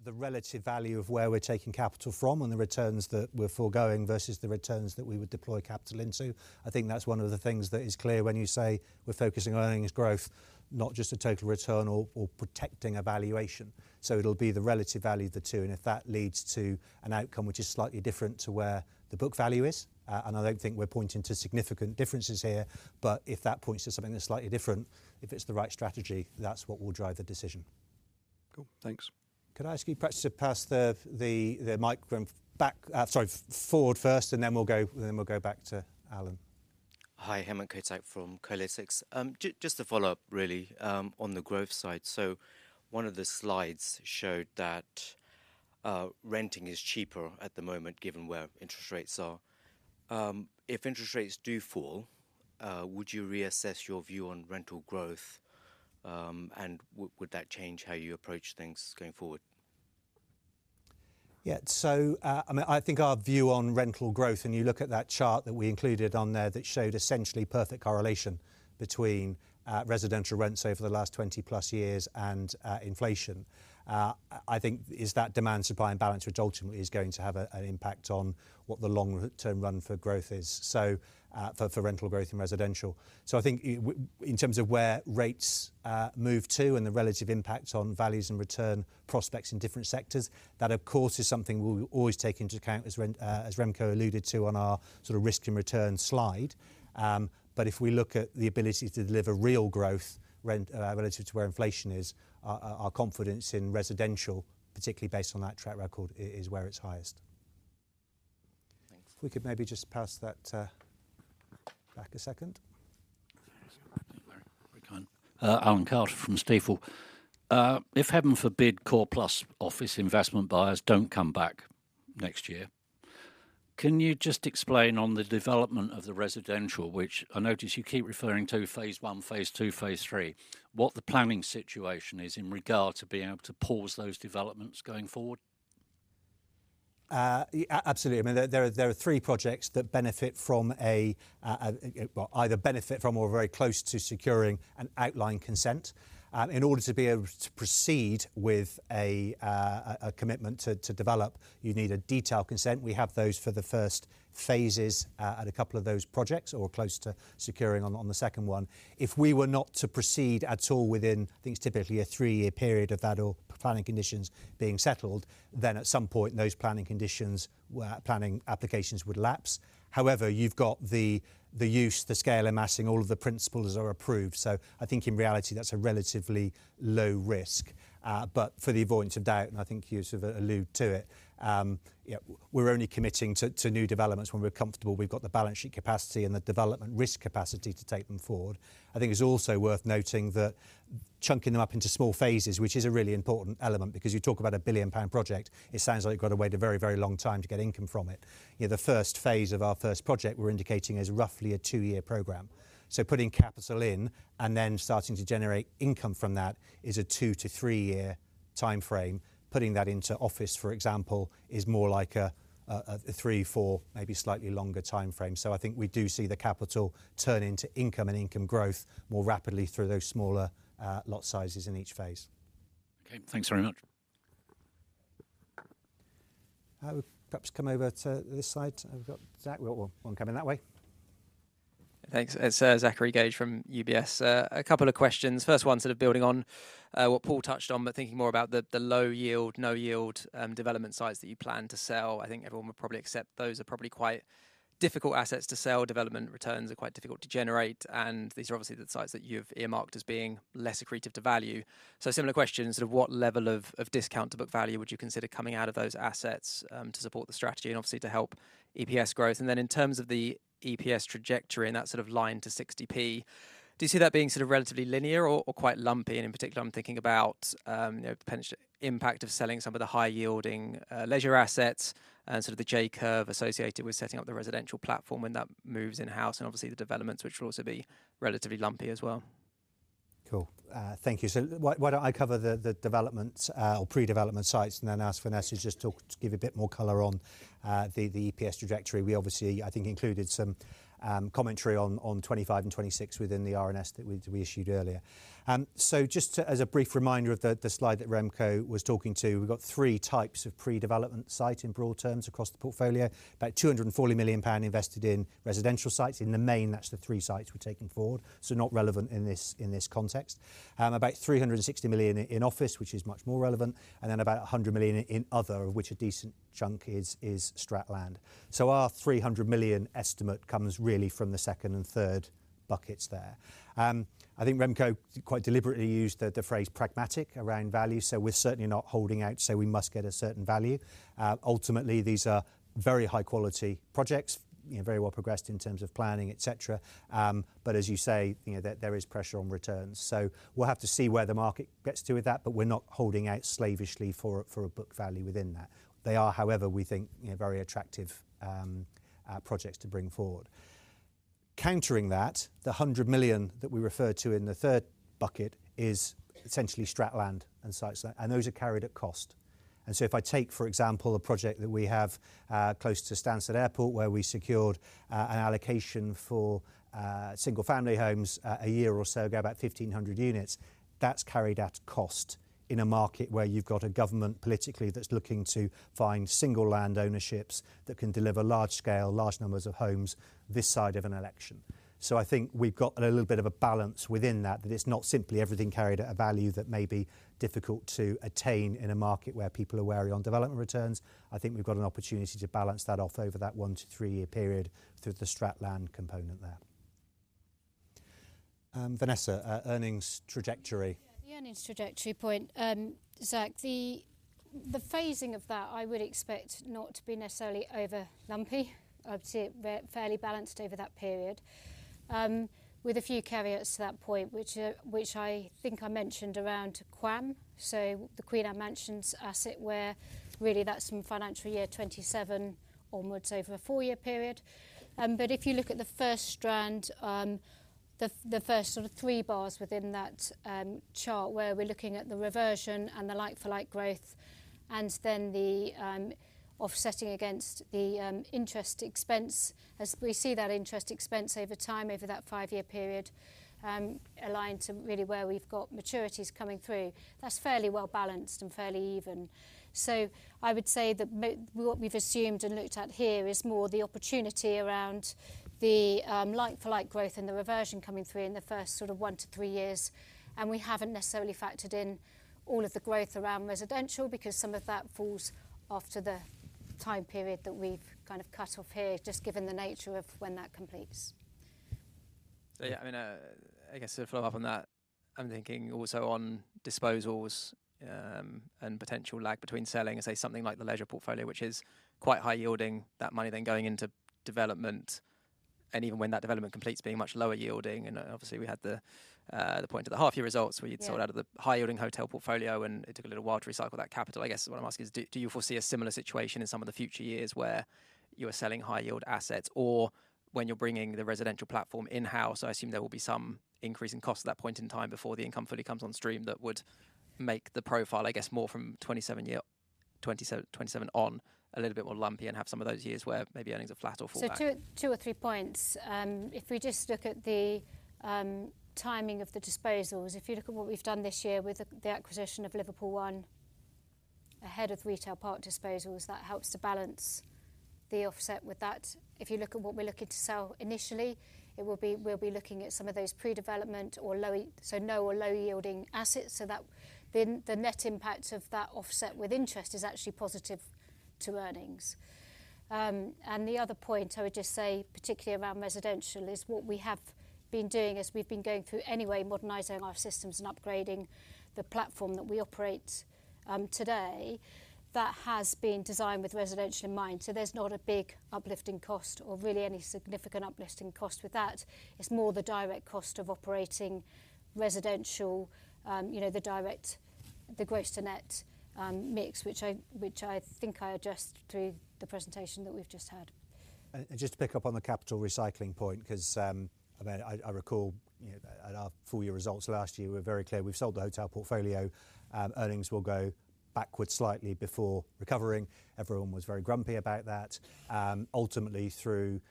The relative value of where we're taking capital from and the returns that we're foregoing versus the returns that we would deploy capital into. I think that's one of the things that is clear when you say we're focusing on earnings growth, not just a total return or protecting a valuation. So it'll be the relative value of the two, and if that leads to an outcome which is slightly different to where the book value is, and I don't think we're pointing to significant differences here, but if that points to something that's slightly different, if it's the right strategy, that's what will drive the decision. Cool. Thanks. Could I ask you perhaps to pass the microphone back, sorry, forward first, and then we'll go back to Alan? Hi, Hemant Kotak from Kolytics. Just to follow up really on the growth side. One of the slides showed that renting is cheaper at the moment given where interest rates are. If interest rates do fall, would you reassess your view on rental growth and would that change how you approach things going forward? Yeah, so I mean, I think our view on rental growth, and you look at that chart that we included on there that showed essentially perfect correlation between residential rents over the last 20-plus years and inflation. I think it's that demand-supply balance which ultimately is going to have an impact on what the long-term run for growth is for rental growth in residential. I think in terms of where rates move to and the relative impact on values and return prospects in different sectors, that of course is something we'll always take into account as Remco alluded to on our sort of risk and return slide. But if we look at the ability to deliver real growth relative to where inflation is, our confidence in residential, particularly based on that track record, is where it's highest. Thanks. If we could maybe just pass that back a second. Alan Carter from Stifel. If heaven forbid core plus office investment buyers don't come back next year, can you just explain on the development of the residential, which I notice you keep referring to phase I, phase II, phase III, what the planning situation is in regard to being able to pause those developments going forward? Absolutely.I mean, there are three projects that benefit from a, well, either benefit from or are very close to securing an outline consent. In order to be able to proceed with a commitment to develop, you need a detailed consent. We have those for the first phases at a couple of those projects or close to securing on the second one. If we were not to proceed at all within, I think it's typically a three-year period of that or planning conditions being settled, then at some point those planning conditions, planning applications would lapse. However, you've got the use, the scale, and massing, all of the principles are approved. So I think in reality that's a relatively low risk. But for the avoidance of doubt, and I think you sort of alluded to it, we're only committing to new developments when we're comfortable. We've got the balance sheet capacity and the development risk capacity to take them forward. I think it's also worth noting that chunking them up into small phases, which is a really important element because you talk about a billion-pound project, it sounds like it got away a very, very long time to get income from it. The first phase of our first project we're indicating is roughly a two-year program. So putting capital in and then starting to generate income from that is a two to three-year time frame. Putting that into office, for example, is more like a three, four, maybe slightly longer time frame. So I think we do see the capital turn into income and income growth more rapidly through those smaller lot sizes in each phase. Okay, thanks very much. Perhaps come over to this side. We've got Zach. We've got one coming that way. Thanks. It's Zachary Gauge from UBS. A couple of questions. First one sort of building on what Paul touched on, but thinking more about the low yield, no yield development sites that you plan to sell. I think everyone would probably accept those are probably quite difficult assets to sell. Development returns are quite difficult to generate, and these are obviously the sites that you've earmarked as being less accretive to value. So similar question, sort of what level of discount to book value would you consider coming out of those assets to support the strategy and obviously to help EPS growth? And then in terms of the EPS trajectory and that sort of line to 60p, do you see that being sort of relatively linear or quite lumpy? In particular, I'm thinking about the potential impact of selling some of the high-yielding leisure assets and sort of the J-curve associated with setting up the residential platform when that moves in-house and obviously the developments which will also be relatively lumpy as well. Cool. Thank you. So why don't I cover the developments or pre-development sites and then ask Vanessa just to give you a bit more color on the EPS trajectory? We obviously, I think, included some commentary on 2025 and 2026 within the RNS that we issued earlier. So just as a brief reminder of the slide that Remco was talking to, we've got three types of pre-development site in broad terms across the portfolio, about 240 million pound invested in residential sites. In the main, that's the three sites we're taking forward. So not relevant in this context. About 360 million in office, which is much more relevant, and then about 100 million in other, of which a decent chunk is Strategic Land. So our 300 million estimate comes really from the second and third buckets there. I think Remco quite deliberately used the phrase pragmatic around value. So we're certainly not holding out to say we must get a certain value. Ultimately, these are very high-quality projects, very well progressed in terms of planning, et cetera. But as you say, there is pressure on returns. So we'll have to see where the market gets to with that, but we're not holding out slavishly for a book value within that. They are, however, we think, very attractive projects to bring forward. Countering that, the 100 million that we refer to in the third bucket is essentially Strategic Land and sites like that, and those are carried at cost. And so if I take, for example, a project that we have close to Stansted Airport where we secured an allocation for single-family homes a year or so ago, about 1,500 units, that's carried at cost in a market where you've got a government politically that's looking to find single-land ownerships that can deliver large scale, large numbers of homes this side of an election. So I think we've got a little bit of a balance within that, that it's not simply everything carried at a value that may be difficult to attain in a market where people are wary on development returns. I think we've got an opportunity to balance that off over that one-to-three-year period through the Stratland component there. Vanessa, earnings trajectory. The earnings trajectory point, Zach, the phasing of that I would expect not to be necessarily over lumpy. I'd say fairly balanced over that period with a few carries to that point, which I think I mentioned around Q1. So the Queen Anne's Mansions asset where really that's from financial year 2027 onwards over a four-year period. But if you look at the first strand, the first sort of three bars within that chart where we're looking at the reversion and the like-for-like growth and then the offsetting against the interest expense, as we see that interest expense over time over that five-year period aligned to really where we've got maturities coming through, that's fairly well balanced and fairly even. So I would say that what we've assumed and looked at here is more the opportunity around the like-for-like growth and the reversion coming through in the first sort of one to three years. We haven't necessarily factored in all of the growth around residential because some of that falls after the time period that we've kind of cut off here, just given the nature of when that completes. Yeah, I mean, I guess to follow up on that, I'm thinking also on disposals and potential lag between selling, say something like the leisure portfolio, which is quite high yielding, that money then going into development and even when that development completes being much lower yielding. And obviously we had the point of the half-year results where you'd sold out of the high-yielding hotel portfolio and it took a little while to recycle that capital. I guess what I'm asking is, do you foresee a similar situation in some of the future years where you are selling high-yield assets or when you're bringing the residential platform in-house? I assume there will be some increase in cost at that point in time before the income fully comes on stream that would make the profile, I guess, more from 2027 year 2027 on a little bit more lumpy and have some of those years where maybe earnings are flat or fall back. So two or three points. If we just look at the timing of the disposals, if you look at what we've done this year with the acquisition of Liverpool ONE ahead of retail park disposals, that helps to balance the offset with that. If you look at what we're looking to sell initially, we'll be looking at some of those pre-development or low, so no or low-yielding assets. So the net impact of that offset with interest is actually positive to earnings. The other point I would just say, particularly around residential, is what we have been doing is we've been going through anyway, modernizing our systems and upgrading the platform that we operate today that has been designed with residential in mind. So there's not a big uplifting cost or really any significant uplifting cost with that. It's more the direct cost of operating residential, the direct, the gross to net mix, which I think I addressed through the presentation that we've just had. Just to pick up on the capital recycling point, because I recall at our full-year results last year, we were very clear we've sold the hotel portfolio. Earnings will go backwards slightly before recovering. Everyone was very grumpy about that. Ultimately, through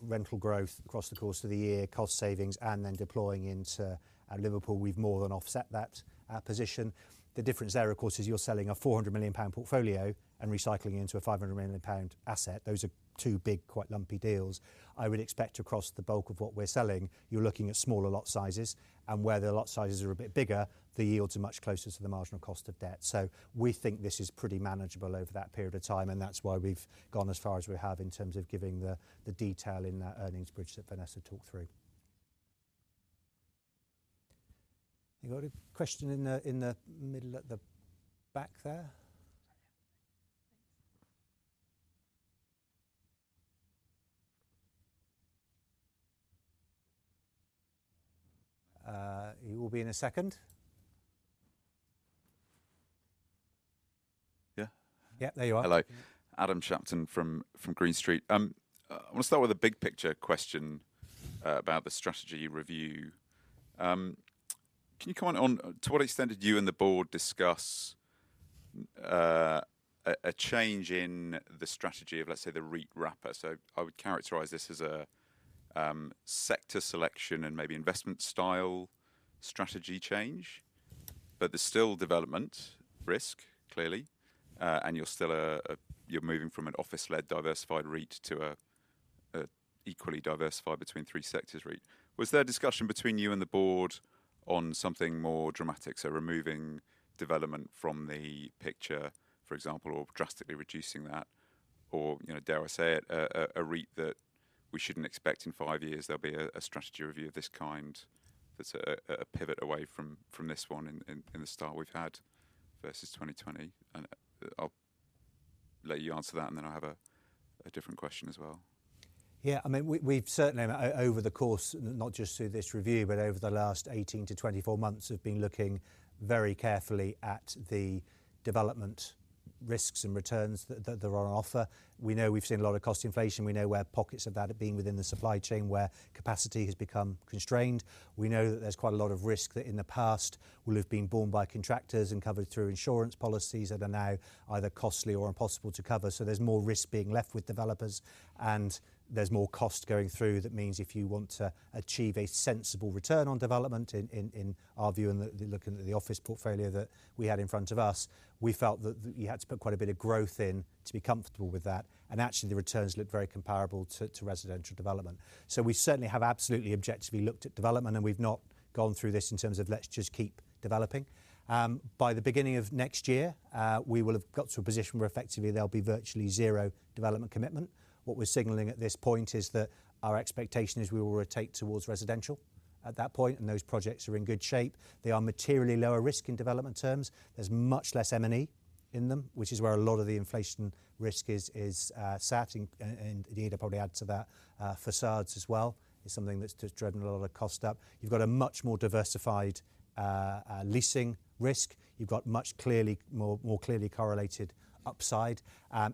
rental growth across the course of the year, cost savings, and then deploying into Liverpool, we've more than offset that position. The difference there, of course, is you're selling a 400 million pound portfolio and recycling into a 500 million pound asset. Those are two big, quite lumpy deals. I would expect across the bulk of what we're selling, you're looking at smaller lot sizes, and where the lot sizes are a bit bigger, the yields are much closer to the marginal cost of debt. So we think this is pretty manageable over that period of time, and that's why we've gone as far as we have in terms of giving the detail in that earnings bridge that Vanessa talked through. You got a question in the middle at the back there? It will be in a second. Yeah. Yeah, there you are. Hello. Adam Shapton from Green Street. I want to start with a big picture question about the strategy review. Can you comment on to what extent did you and the board discuss a change in the strategy of, let's say, the REIT wrapper? So I would characterize this as a sector selection and maybe investment style strategy change, but there's still development risk clearly, and you're still a, you're moving from an office-led diversified REIT to an equally diversified between three sectors REIT. Was there a discussion between you and the board on something more dramatic? So removing development from the picture, for example, or drastically reducing that, or dare I say it, a REIT that we shouldn't expect in five years, there'll be a strategy review of this kind that's a pivot away from this one in the style we've had versus 2020? And I'll let you answer that, and then I have a different question as well. Yeah, I mean, we've certainly, over the course, not just through this review, but over the last 18-24 months, have been looking very carefully at the development risks and returns that there are on offer. We know we've seen a lot of cost inflation. We know where pockets of that have been within the supply chain, where capacity has become constrained. We know that there's quite a lot of risk that in the past will have been borne by contractors and covered through insurance policies that are now either costly or impossible to cover. So there's more risk being left with developers, and there's more cost going through that means if you want to achieve a sensible return on development, in our view, and looking at the office portfolio that we had in front of us, we felt that you had to put quite a bit of growth in to be comfortable with that. And actually, the returns looked very comparable to residential development. So we certainly have absolutely objectively looked at development, and we've not gone through this in terms of, let's just keep developing. By the beginning of next year, we will have got to a position where effectively there'll be virtually zero development commitment. What we're signalling at this point is that our expectation is we will rotate towards residential at that point, and those projects are in good shape. They are materially lower risk in development terms. There's much less M&E in them, which is where a lot of the inflation risk is sat, and you need to probably add to that facades as well. It's something that's driven a lot of cost up. You've got a much more diversified leasing risk. You've got more clearly correlated upside.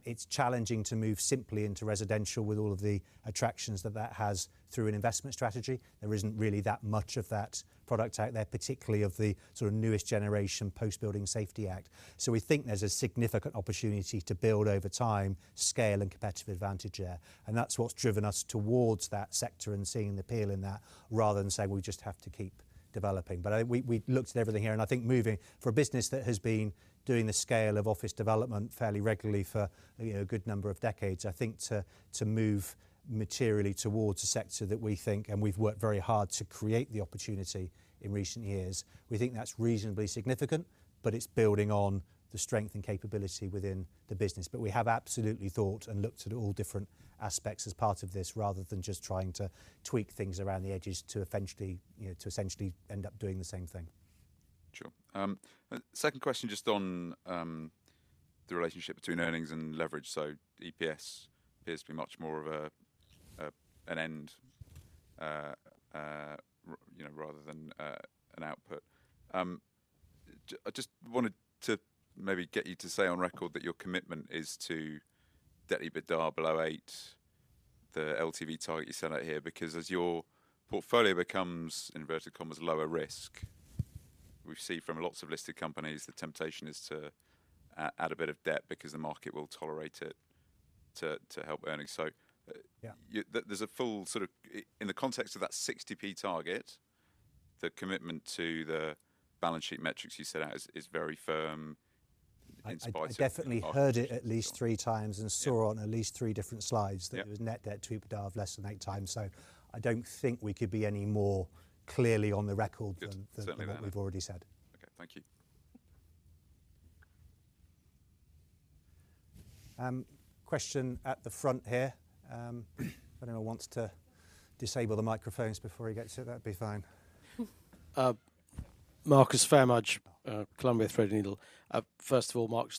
It's challenging to move simply into residential with all of the attractions that that has through an investment strategy. There isn't really that much of that product out there, particularly of the sort of newest generation post-Building Safety Act. So we think there's a significant opportunity to build over time, scale, and competitive advantage there, and that's what's driven us towards that sector and seeing the appeal in that rather than saying we just have to keep developing. But we looked at everything here, and I think moving for a business that has been doing the scale of office development fairly regularly for a good number of decades, I think to move materially towards a sector that we think, and we've worked very hard to create the opportunity in recent years, we think that's reasonably significant, but it's building on the strength and capability within the business. But we have absolutely thought and looked at all different aspects as part of this rather than just trying to tweak things around the edges to essentially end up doing the same thing. Sure. Second question just on the relationship between earnings and leverage. So EPS appears to be much more of an end rather than an output. I just wanted to maybe get you to say on record that your commitment is to EBITDA below eight, the LTV target you set out here, because as your portfolio becomes, inverted commas, lower risk, we've seen from lots of listed companies, the temptation is to add a bit of debt because the market will tolerate it to help earnings. So there's a full sort of, in the context of that 60p target, the commitment to the balance sheet metrics you set out is very firm. I definitely heard it at least three times and saw on at least three different slides that it was net debt to EBITDA of less than eight times. So I don't think we could be any more clearly on the record than what we've already said. Okay, thank you. Question at the front here. If anyone wants to disable the microphones before he gets it, that'd be fine. Marcus Phayre-Mudge, Columbia Threadneedle. First of all, Mark,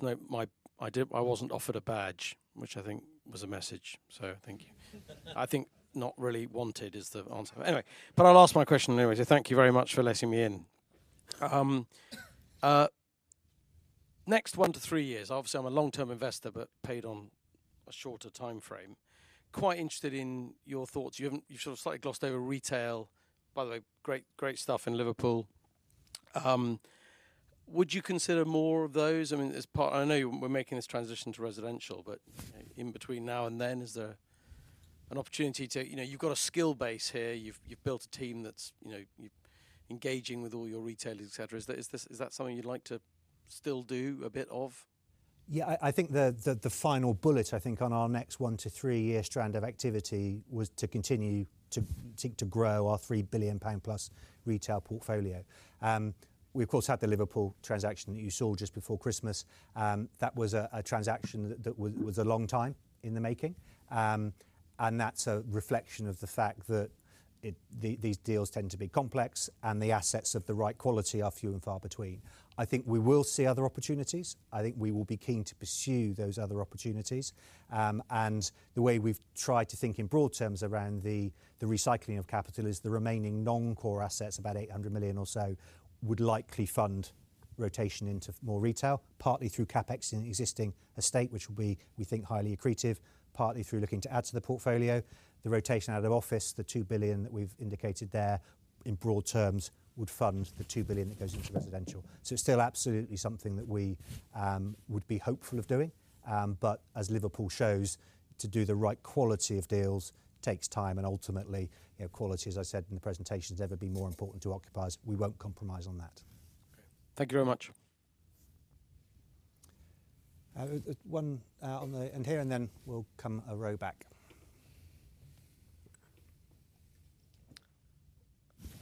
I wasn't offered a badge, which I think was a message, so thank you. I think not really wanted is the answer. Anyway, but I'll ask my question anyway. So thank you very much for letting me in. Next, one to three years. Obviously, I'm a long-term investor, but paid on a shorter time frame. Quite interested in your thoughts. You've sort of slightly glossed over retail, by the way, great stuff in Liverpool. Would you consider more of those? I mean, I know we're making this transition to residential, but in between now and then, is there an opportunity to, you've got a skill base here, you've built a team that's engaging with all your retailers, etc. Is that something you'd like to still do a bit of? Yeah, I think the final bullet, I think, on our next one to three-year strand of activity was to continue to grow our 3 billion pound-plus retail portfolio. We, of course, had the Liverpool transaction that you saw just before Christmas. That was a transaction that was a long time in the making, and that's a reflection of the fact that these deals tend to be complex and the assets of the right quality are few and far between. I think we will see other opportunities. I think we will be keen to pursue those other opportunities. The way we've tried to think in broad terms around the recycling of capital is the remaining non-core assets, about 800 million or so, would likely fund rotation into more retail, partly through CapEx in existing estate, which will be, we think, highly accretive, partly through looking to add to the portfolio. The rotation out of office, the 2 billion that we've indicated there in broad terms would fund the 2 billion that goes into residential. So it's still absolutely something that we would be hopeful of doing. But as Liverpool shows, to do the right quality of deals takes time. And ultimately, quality, as I said in the presentation, has ever been more important to occupiers. We won't compromise on that. Thank you very much. One on the end here, and then we'll come a row back.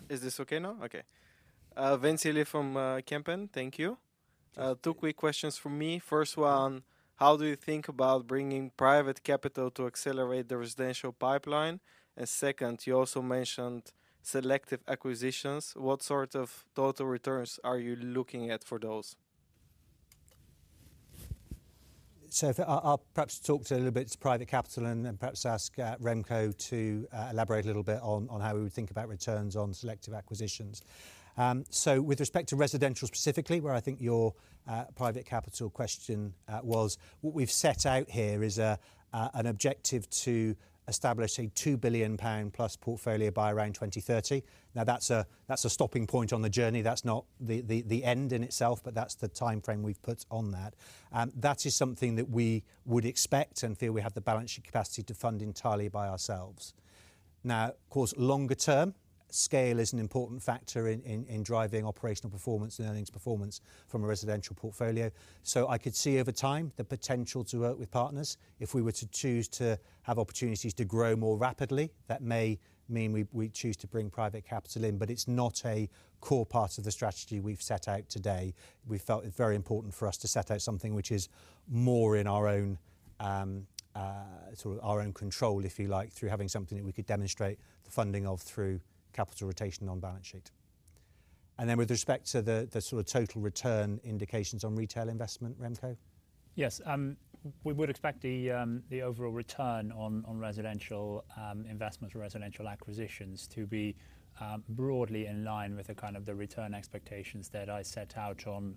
Is this okay now? Okay. Vincent Willink from Kempen, thank you. Two quick questions from me. First one, how do you think about bringing private capital to accelerate the residential pipeline? And second, you also mentioned selective acquisitions. What sort of total returns are you looking at for those? So I'll perhaps talk to a little bit to private capital and perhaps ask Remco to elaborate a little bit on how we would think about returns on selective acquisitions. So with respect to residential specifically, where I think your private capital question was, what we've set out here is an objective to establish a 2 billion pound plus portfolio by around 2030. Now, that's a stopping point on the journey. That's not the end in itself, but that's the time frame we've put on that. That is something that we would expect and feel we have the balance sheet capacity to fund entirely by ourselves. Now, of course, longer term, scale is an important factor in driving operational performance and earnings performance from a residential portfolio. So I could see over time the potential to work with partners. If we were to choose to have opportunities to grow more rapidly, that may mean we choose to bring private capital in, but it's not a core part of the strategy we've set out today. We felt it's very important for us to set out something which is more in our own control, if you like, through having something that we could demonstrate the funding of through capital rotation on balance sheet. And then with respect to the sort of total return indications on retail investment, Remco? Yes, we would expect the overall return on residential investments, residential acquisitions to be broadly in line with the kind of return expectations that I set out on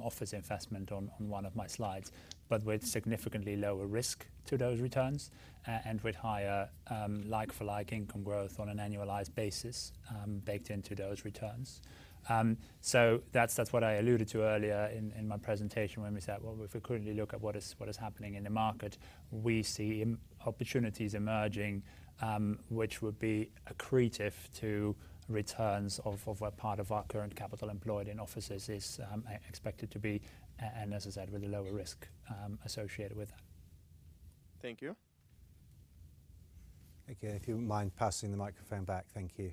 office investment on one of my slides, but with significantly lower risk to those returns and with higher like-for-like income growth on an annualized basis baked into those returns. So that's what I alluded to earlier in my presentation when we said, well, if we couldn't really look at what is happening in the market, we see opportunities emerging, which would be accretive to returns of what part of our current capital employed in offices is expected to be, and as I said, with a lower risk associated with that. Thank you. Okay, if you don't mind passing the microphone back, thank you.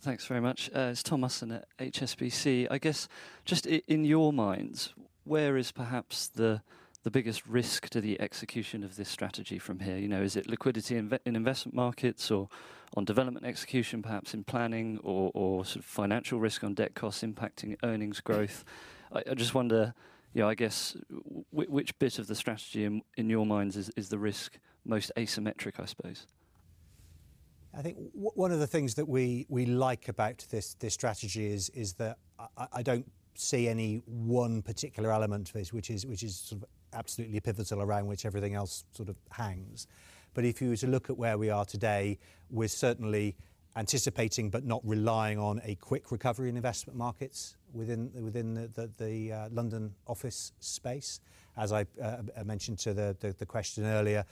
Thanks very much. It's Thomas at HSBC. I guess just in your minds, where is perhaps the biggest risk to the execution of this strategy from here? Is it liquidity in investment markets or on development execution, perhaps in planning or sort of financial risk on debt costs impacting earnings growth? I just wonder, I guess, which bit of the strategy in your minds is the risk most asymmetric, I suppose? I think one of the things that we like about this strategy is that I don't see any one particular element of this, which is sort of absolutely pivotal around which everything else sort of hangs. But if you were to look at where we are today, we're certainly anticipating, but not relying on a quick recovery in investment markets within the London office space. As I mentioned to the question earlier,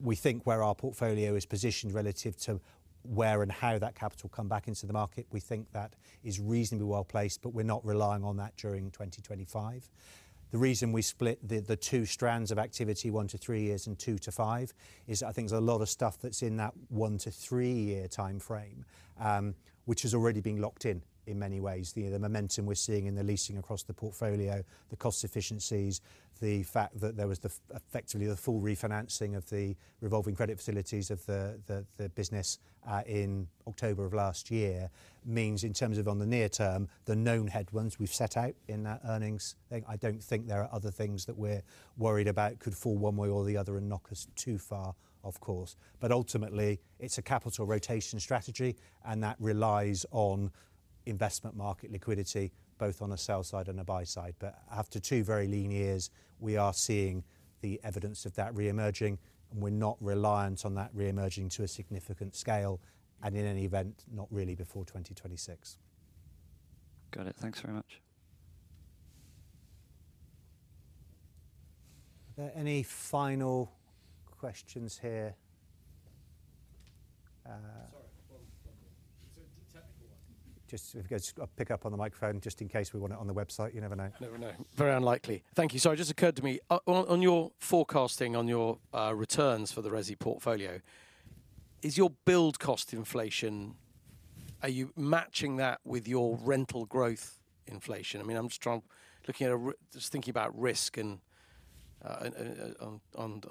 we think where our portfolio is positioned relative to where and how that capital come back into the market, we think that is reasonably well placed, but we're not relying on that during 2025. The reason we split the two strands of activity, one to three years and two to five, is I think there's a lot of stuff that's in that one to three year time frame, which has already been locked in in many ways. The momentum we're seeing in the leasing across the portfolio, the cost efficiencies, the fact that there was effectively the full refinancing of the revolving credit facilities of the business in October of last year means, in terms of on the near term, the known headwinds we've set out in that earnings. I don't think there are other things that we're worried about could fall one way or the other and knock us too far, of course. But ultimately, it's a capital rotation strategy, and that relies on investment market liquidity, both on a sell side and a buy side. But after two very lean years, we are seeing the evidence of that reemerging, and we're not reliant on that reemerging to a significant scale, and in any event, not really before 2026. Got it. Thanks very much. Any final questions here? Sorry, one question. Just a pickup on the microphone, just in case we want it on the website. You never know. Never know. Very unlikely. Thank you. Sorry, it just occurred to me, on your forecasting on your returns for the Resi portfolio, is your build cost inflation, are you matching that with your rental growth inflation? I mean, I'm just trying to look at, just thinking about risk and on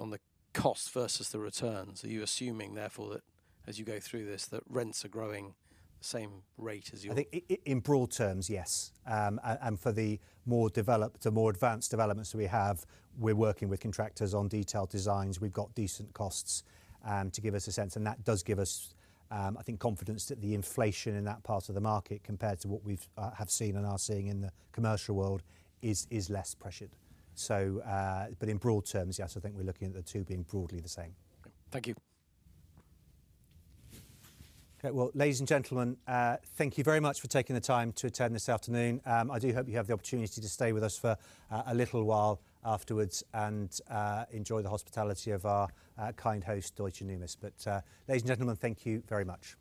the cost versus the returns. Are you assuming, therefore, that as you go through this, that rents are growing the same rate as you? I think in broad terms, yes. And for the more developed and more advanced developments we have, we're working with contractors on detailed designs. We've got decent costs to give us a sense. And that does give us, I think, confidence that the inflation in that part of the market compared to what we have seen and are seeing in the commercial world is less pressured. But in broad terms, yes, I think we're looking at the two being broadly the same. Thank you. Okay, well, ladies and gentlemen, thank you very much for taking the time to attend this afternoon. I do hope you have the opportunity to stay with us for a little while afterwards and enjoy the hospitality of our kind host, Deutsche Numis. But ladies and gentlemen, thank you very much.